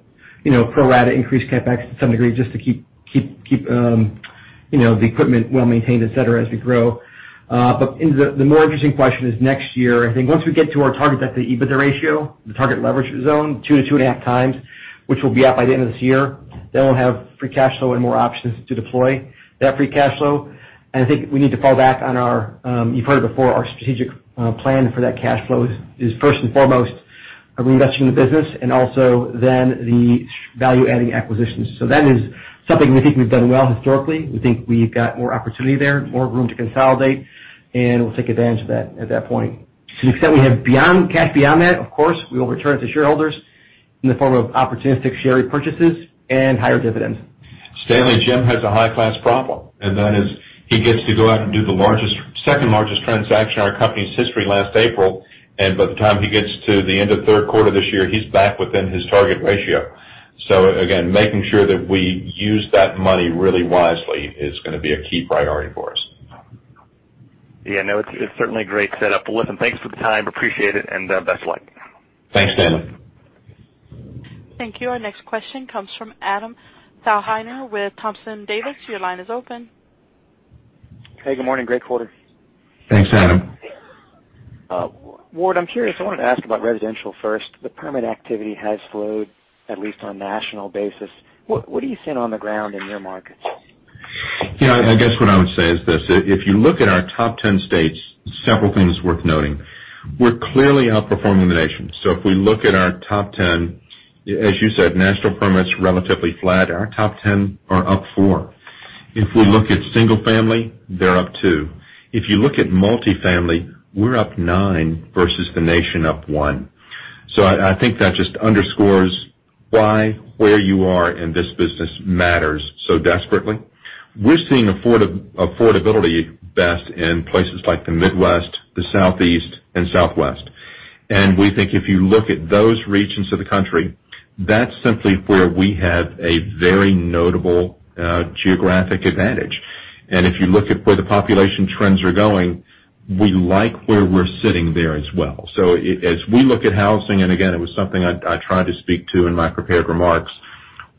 pro rata increase CapEx to some degree just to keep the equipment well maintained, et cetera, as we grow. The more interesting question is next year. I think once we get to our target at the EBITDA ratio, the target leverage zone, 2x-2.5x, which will be up by the end of this year, we'll have free cash flow and more options to deploy that free cash flow. I think we need to fall back on our, you've heard it before, our strategic plan for that cash flow is first and foremost Reinvesting in the business and also then the value-adding acquisitions. That is something we think we've done well historically. We think we've got more opportunity there, more room to consolidate, and we'll take advantage of that at that point. To the extent we have cash beyond that, of course, we will return it to shareholders in the form of opportunistic share repurchases and higher dividends. Stanley, Jim has a high-class problem, and that is he gets to go out and do the second-largest transaction in our company's history last April, and by the time he gets to the end of the third quarter this year, he's back within his target ratio. Again, making sure that we use that money really wisely is going to be a key priority for us. Yeah, no, it's certainly a great setup. Well, listen, thanks for the time. Appreciate it, and best of luck. Thanks, Stanley. Thank you. Our next question comes from Adam Thalhimer with Thompson Davis. Your line is open. Hey, good morning. Great quarter. Thanks, Adam. Ward, I'm curious, I wanted to ask about residential first. The permit activity has slowed, at least on a national basis. What are you seeing on the ground in your markets? Yeah, I guess what I would say is this, if you look at our top 10 states, several things worth noting. We're clearly outperforming the nation. If we look at our top 10, as you said, national permits are relatively flat. Our top 10 are up four. If we look at single family, they're up two. If you look at multifamily, we're up nine versus the nation up one. I think that just underscores why where you are in this business matters so desperately. We're seeing affordability best in places like the Midwest, the Southeast, and Southwest. We think if you look at those regions of the country, that's simply where we have a very notable geographic advantage. If you look at where the population trends are going, we like where we're sitting there as well. As we look at housing, and again, it was something I tried to speak to in my prepared remarks,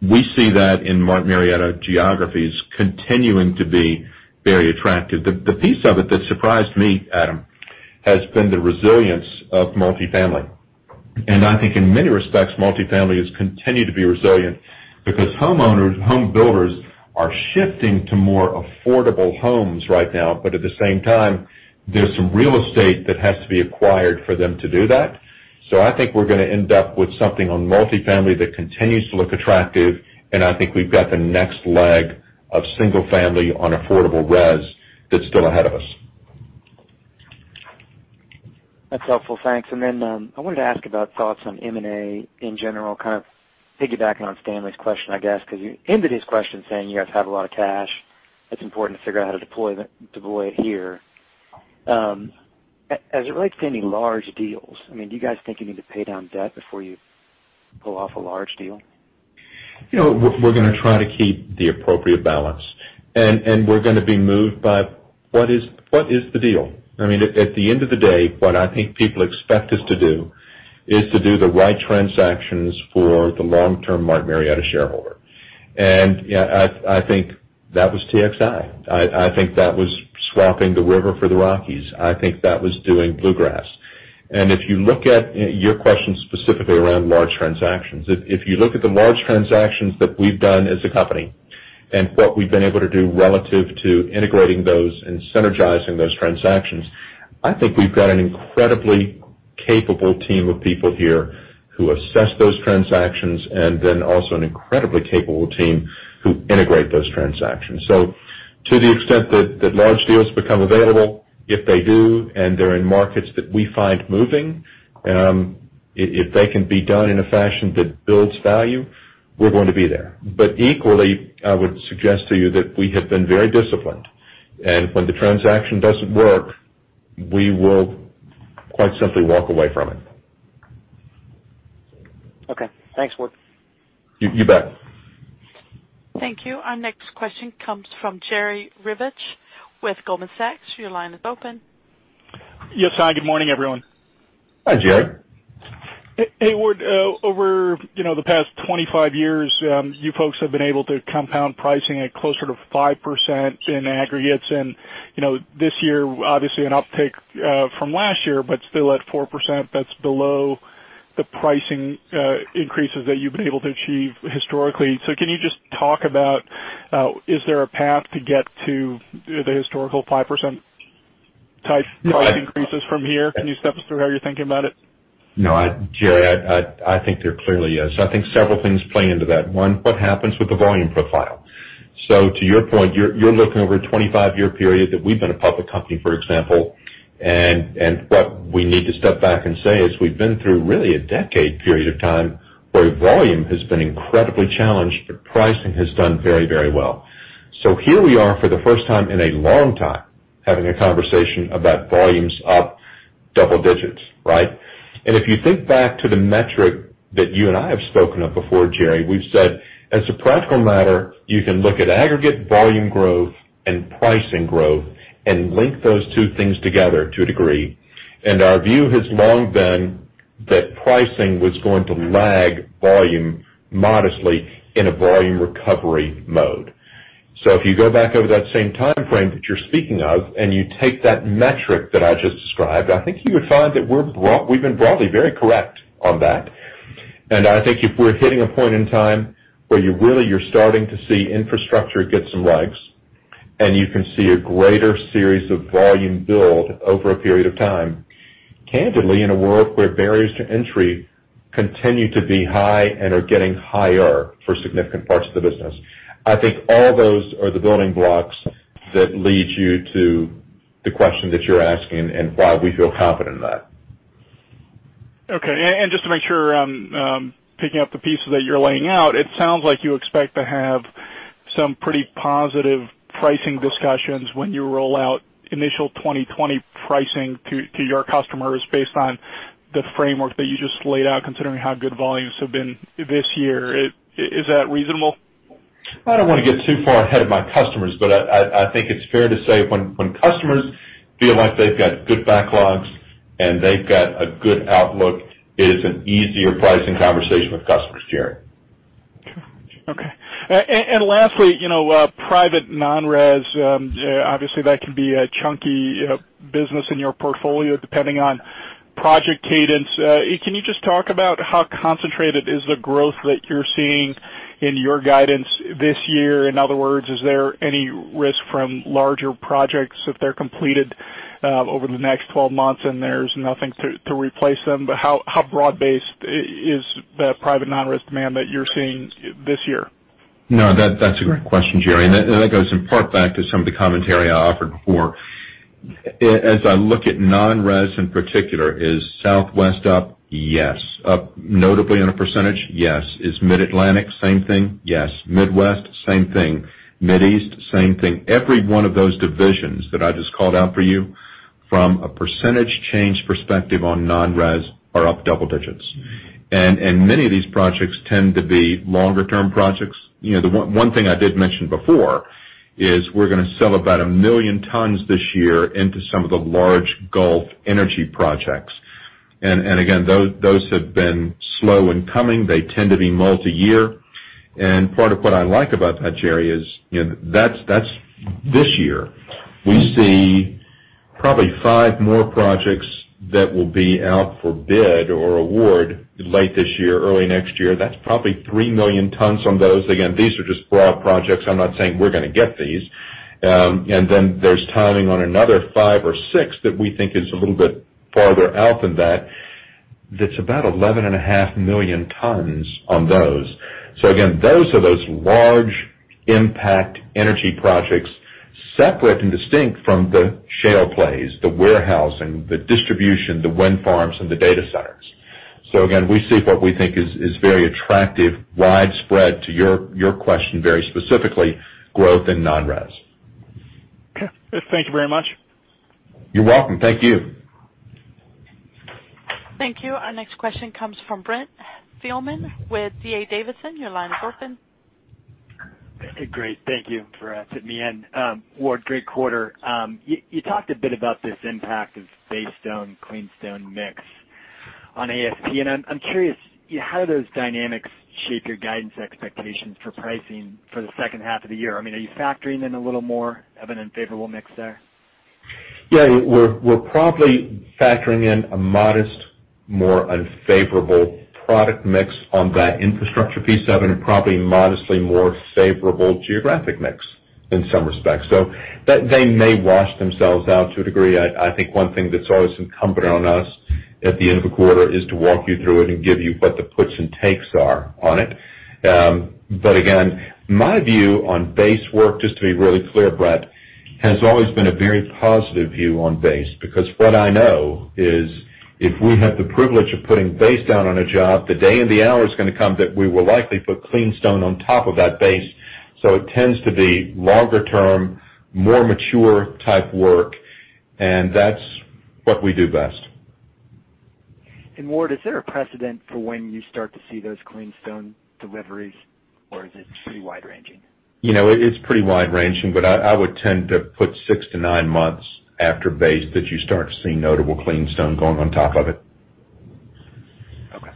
we see that in Martin Marietta geographies continuing to be very attractive. The piece of it that surprised me, Adam, has been the resilience of multifamily. I think in many respects, multifamily has continued to be resilient because homeowners and home builders are shifting to more affordable homes right now. At the same time, there's some real estate that has to be acquired for them to do that. I think we're going to end up with something on multifamily that continues to look attractive, and I think we've got the next leg of single family on affordable res that's still ahead of us. That's helpful. Thanks. I wanted to ask about thoughts on M&A in general, kind of piggybacking on Stanley's question, I guess, because you ended his question saying you guys have a lot of cash. It's important to figure out how to deploy it here. As it relates to any large deals, do you guys think you need to pay down debt before you pull off a large deal? We're going to try to keep the appropriate balance, and we're going to be moved by what is the deal. At the end of the day, what I think people expect us to do is to do the right transactions for the long-term Martin Marietta shareholder. I think that was TXI. I think that was swapping the River for the Rockies. I think that was doing Bluegrass. If you look at your question specifically around large transactions, if you look at the large transactions that we've done as a company and what we've been able to do relative to integrating those and synergizing those transactions, I think we've got an incredibly capable team of people here who assess those transactions and then also an incredibly capable team who integrate those transactions. To the extent that large deals become available, if they do and they're in markets that we find moving, if they can be done in a fashion that builds value, we're going to be there. Equally, I would suggest to you that we have been very disciplined. When the transaction doesn't work, we will quite simply walk away from it. Okay. Thanks, Ward. You bet. Thank you. Our next question comes from Jerry Revich with Goldman Sachs. Your line is open. Yes. Hi, good morning, everyone. Hi, Jerry. Hey, Ward. Over the past 25 years, you folks have been able to compound pricing at closer to 5% in aggregates. This year, obviously an uptick from last year, but still at 4%, that's below the pricing increases that you've been able to achieve historically. Can you just talk about is there a path to get to the historical 5% type price increases from here? Can you step us through how you're thinking about it? No, Jerry, I think there clearly is. I think several things play into that. One, what happens with the volume profile? To your point, you're looking over a 25-year period that we've been a public company, for example, and what we need to step back and say is we've been through really a decade period of time where volume has been incredibly challenged, but pricing has done very well. Here we are for the first time in a long time having a conversation about volumes up double digits, right? If you think back to the metric that you and I have spoken of before, Jerry, we've said, as a practical matter, you can look at aggregate volume growth and pricing growth and link those two things together to a degree. Our view has long been that pricing was going to lag volume modestly in a volume recovery mode. If you go back over that same timeframe that you're speaking of, and you take that metric that I just described, I think you would find that we've been broadly very correct on that. I think if we're hitting a point in time where you're starting to see infrastructure get some legs, and you can see a greater series of volume build over a period of time, candidly, in a world where barriers to entry continue to be high and are getting higher for significant parts of the business. All those are the building blocks that lead you to the question that you're asking and why we feel confident in that. Okay. Just to make sure I'm picking up the pieces that you're laying out, it sounds like you expect to have some pretty positive pricing discussions when you roll out initial 2020 pricing to your customers based on the framework that you just laid out, considering how good volumes have been this year. Is that reasonable? I don't want to get too far ahead of my customers, but I think it's fair to say when customers feel like they've got good backlogs and they've got a good outlook, it is an easier pricing conversation with customers, Jerry. Okay. Lastly, private non-res, obviously, that can be a chunky business in your portfolio, depending on project cadence. Can you just talk about how concentrated is the growth that you're seeing in your guidance this year? In other words, is there any risk from larger projects if they're completed over the next 12 months and there's nothing to replace them? How broad-based is the private non-res demand that you're seeing this year? No, that's a great question, Jerry, and that goes in part back to some of the commentary I offered before. As I look at non-res in particular, is Southwest up? Yes. Up notably on a percentage? Yes. Is Mid-Atlantic same thing? Yes. Midwest, same thing. Mideast, same thing. Every one of those divisions that I just called out for you, from a percentage change perspective on non-res are up double digits. Many of these projects tend to be longer term projects. One thing I did mention before is we're gonna sell about 1 million tons this year into some of the large Gulf energy projects. Again, those have been slow in coming. They tend to be multi-year. Part of what I like about that, Jerry, is that's this year. We see probably five more projects that will be out for bid or award late this year, early next year. That's probably 3 million tons on those. These are just broad projects. I'm not saying we're gonna get these. There's timing on another five or six that we think is a little bit farther out than that. That's about 11.5 million tons on those. Those are those large impact energy projects, separate and distinct from the shale plays, the warehousing, the distribution, the wind farms, and the data centers. We see what we think is very attractive, widespread, to your question very specifically, growth in non-res. Okay. Thank you very much. You're welcome. Thank you. Thank you. Our next question comes from Brent Thielman with D.A. Davidson. Your line is open. Great. Thank you for letting me in. Ward, great quarter. You talked a bit about this impact of base stone, clean stone mix on ASP. I'm curious, how do those dynamics shape your guidance expectations for pricing for the second half of the year? Are you factoring in a little more of an unfavorable mix there? We're probably factoring in a modest, more unfavorable product mix on that infrastructure piece of it, and probably modestly more favorable geographic mix in some respects. They may wash themselves out to a degree. I think one thing that's always incumbent on us at the end of a quarter is to walk you through it and give you what the puts and takes are on it. Again, my view on base work, just to be really clear, Brent, has always been a very positive view on base, because what I know is if we have the privilege of putting base down on a job, the day and the hour is gonna come that we will likely put clean stone on top of that base. It tends to be longer term, more mature type work, and that's what we do best. Ward, is there a precedent for when you start to see those clean stone deliveries, or is it pretty wide-ranging? It's pretty wide-ranging, but I would tend to put six to nine months after base that you start to see notable clean stone going on top of it. Okay.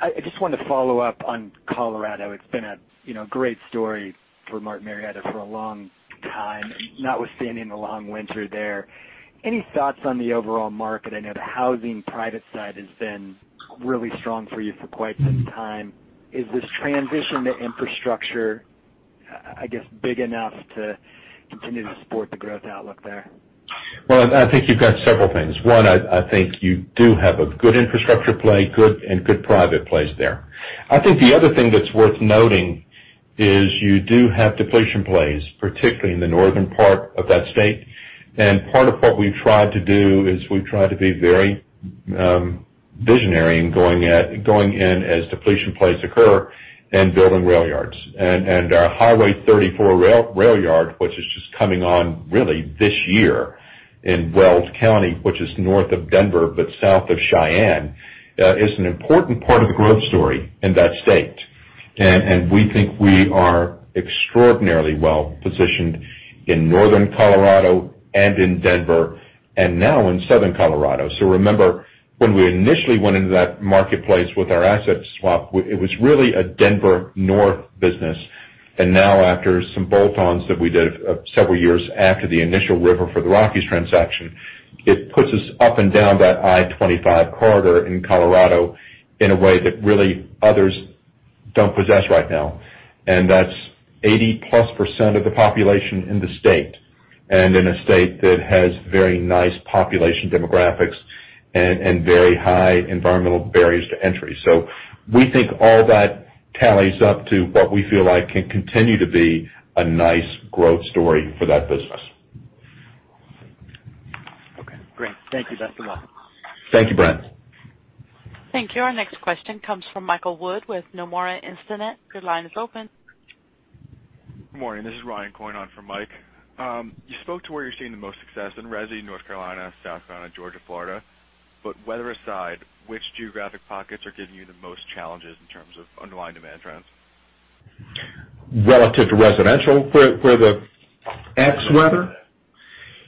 I just wanted to follow up on Colorado. It's been a great story for Martin Marietta for a long time, notwithstanding the long winter there. Any thoughts on the overall market? I know the housing private side has been really strong for you for quite some time. Is this transition to infrastructure, I guess, big enough to continue to support the growth outlook there? Well, I think you've got several things. One, I think you do have a good infrastructure play and good private plays there. I think the other thing that's worth noting is you do have depletion plays, particularly in the northern part of that state. Part of what we've tried to do is we've tried to be very visionary in going in as depletion plays occur and building rail yards. Our Highway 34 rail yard, which is just coming on really this year in Weld County, which is north of Denver but south of Cheyenne, is an important part of the growth story in that state. We think we are extraordinarily well-positioned in northern Colorado and in Denver and now in southern Colorado. Remember, when we initially went into that marketplace with our asset swap, it was really a Denver north business. Now after some bolt-ons that we did several years after the initial River for the Rockies transaction. It puts us up and down that I-25 corridor in Colorado in a way that really others don't possess right now, and that's 80%+ of the population in the state, and in a state that has very nice population demographics and very high environmental barriers to entry. We think all that tallies up to what we feel like can continue to be a nice growth story for that business. Okay, great. Thank you. Best of luck. Thank you, Brent. Thank you. Our next question comes from Michael Wood with Nomura Instinet. Your line is open. Good morning. This is Ryan going on for Mike. You spoke to where you're seeing the most success in resi, North Carolina, South Carolina, Georgia, Florida. Weather aside, which geographic pockets are giving you the most challenges in terms of underlying demand trends? Relative to residential, where the excess weather?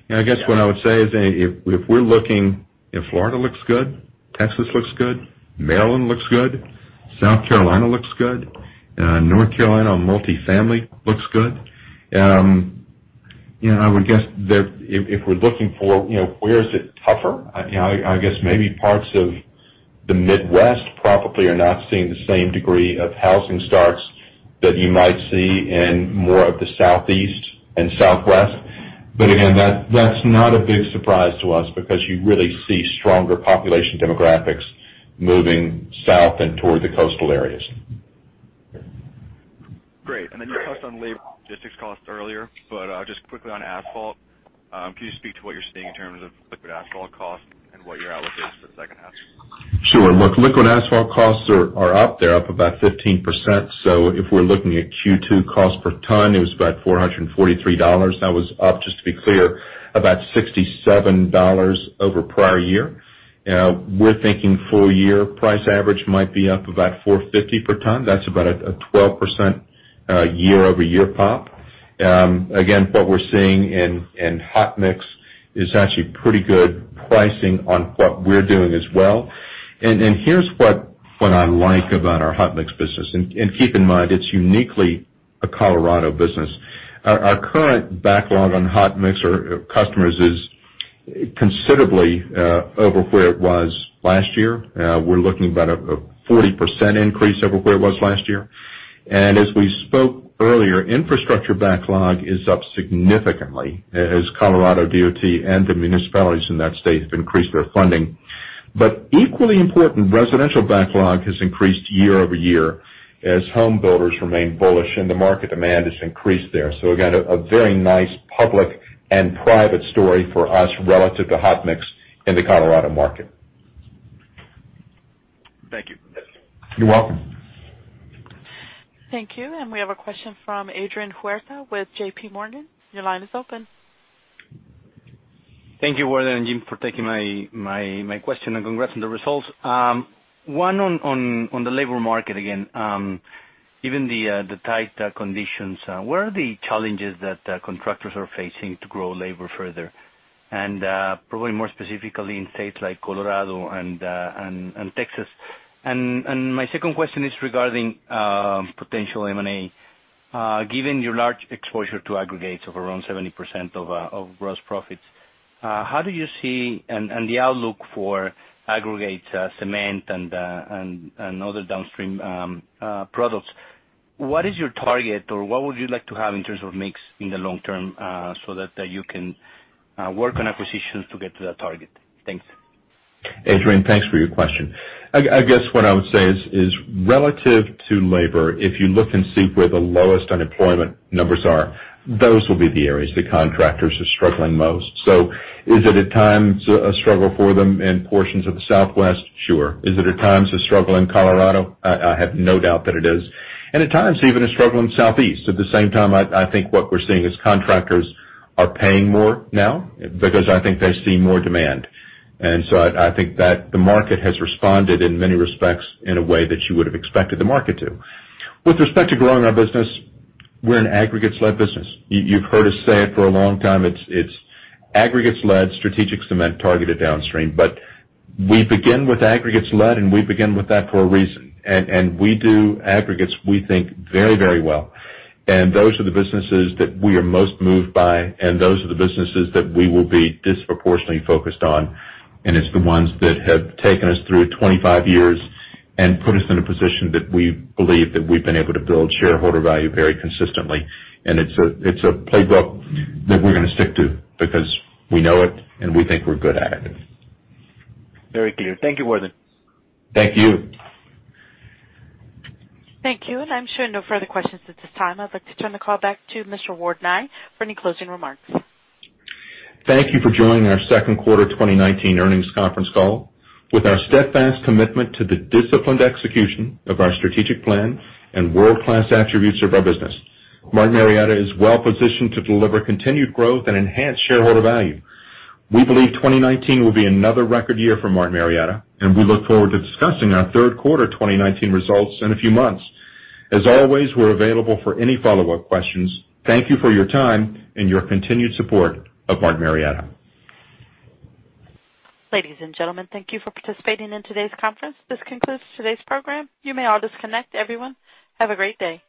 Yeah. I guess what I would say is that if we're looking, if Florida looks good, Texas looks good, Maryland looks good, South Carolina looks good, North Carolina on multifamily looks good. I would guess that if we're looking for where is it tougher, I guess maybe parts of the Midwest probably are not seeing the same degree of housing starts that you might see in more of the Southeast and Southwest. Again, that's not a big surprise to us because you really see stronger population demographics moving south and toward the coastal areas. Great. You touched on labor logistics costs earlier, but just quickly on asphalt, can you speak to what you're seeing in terms of liquid asphalt cost and what your outlook is for the second half? Sure. Look, liquid asphalt costs are up. They're up about 15%. If we're looking at Q2 cost per ton, it was about $443. That was up, just to be clear, about $67 over prior year. We're thinking full year price average might be up about $450 per ton. That's about a 12% year-over-year pop. Again, what we're seeing in hot mix is actually pretty good pricing on what we're doing as well. Here's what I like about our hot mix business, and keep in mind, it's uniquely a Colorado business. Our current backlog on hot mix customers is considerably over where it was last year. We're looking about a 40% increase over where it was last year. As we spoke earlier, infrastructure backlog is up significantly as Colorado DOT and the municipalities in that state have increased their funding. Equally important, residential backlog has increased year-over-year as home builders remain bullish and the market demand has increased there. Again, a very nice public and private story for us relative to hot mix in the Colorado market. Thank you. You're welcome. Thank you. We have a question from Adrian Huerta with JPMorgan. Your line is open. Thank you, Ward and Jim, for taking my question, and congrats on the results. One on the labor market again. Given the tight conditions, where are the challenges that contractors are facing to grow labor further? Probably more specifically in states like Colorado and Texas. My second question is regarding potential M&A. Given your large exposure to aggregates of around 70% of gross profits, how do you see, and the outlook for aggregates, cement, and other downstream products. What is your target or what would you like to have in terms of mix in the long term, so that you can work on acquisitions to get to that target? Thanks. Adrian, thanks for your question. I guess what I would say is, relative to labor, if you look and see where the lowest unemployment numbers are, those will be the areas the contractors are struggling most. Is it at times a struggle for them in portions of the Southwest? Sure. Is it at times a struggle in Colorado? I have no doubt that it is. At times, even a struggle in the Southeast. At the same time, I think what we're seeing is contractors are paying more now because I think they see more demand. I think that the market has responded in many respects in a way that you would've expected the market to. With respect to growing our business, we're an aggregates-led business. You've heard us say it for a long time. It's aggregates led, strategic cement, targeted downstream. We begin with aggregates led, and we begin with that for a reason. We do aggregates, we think very well. Those are the businesses that we are most moved by, and those are the businesses that we will be disproportionately focused on, and it's the ones that have taken us through 25 years and put us in a position that we believe that we've been able to build shareholder value very consistently. It's a playbook that we're going to stick to because we know it and we think we're good at it. Very clear. Thank you, Ward. Thank you. Thank you. I'm showing no further questions at this time. I'd like to turn the call back to Mr. Ward Nye for any closing remarks. Thank you for joining our second quarter 2019 earnings conference call. With our steadfast commitment to the disciplined execution of our strategic plan and world-class attributes of our business, Martin Marietta is well positioned to deliver continued growth and enhance shareholder value. We believe 2019 will be another record year for Martin Marietta, and we look forward to discussing our third quarter 2019 results in a few months. As always, we're available for any follow-up questions. Thank you for your time and your continued support of Martin Marietta. Ladies and gentlemen, thank you for participating in today's conference. This concludes today's program. You may all disconnect. Everyone, have a great day.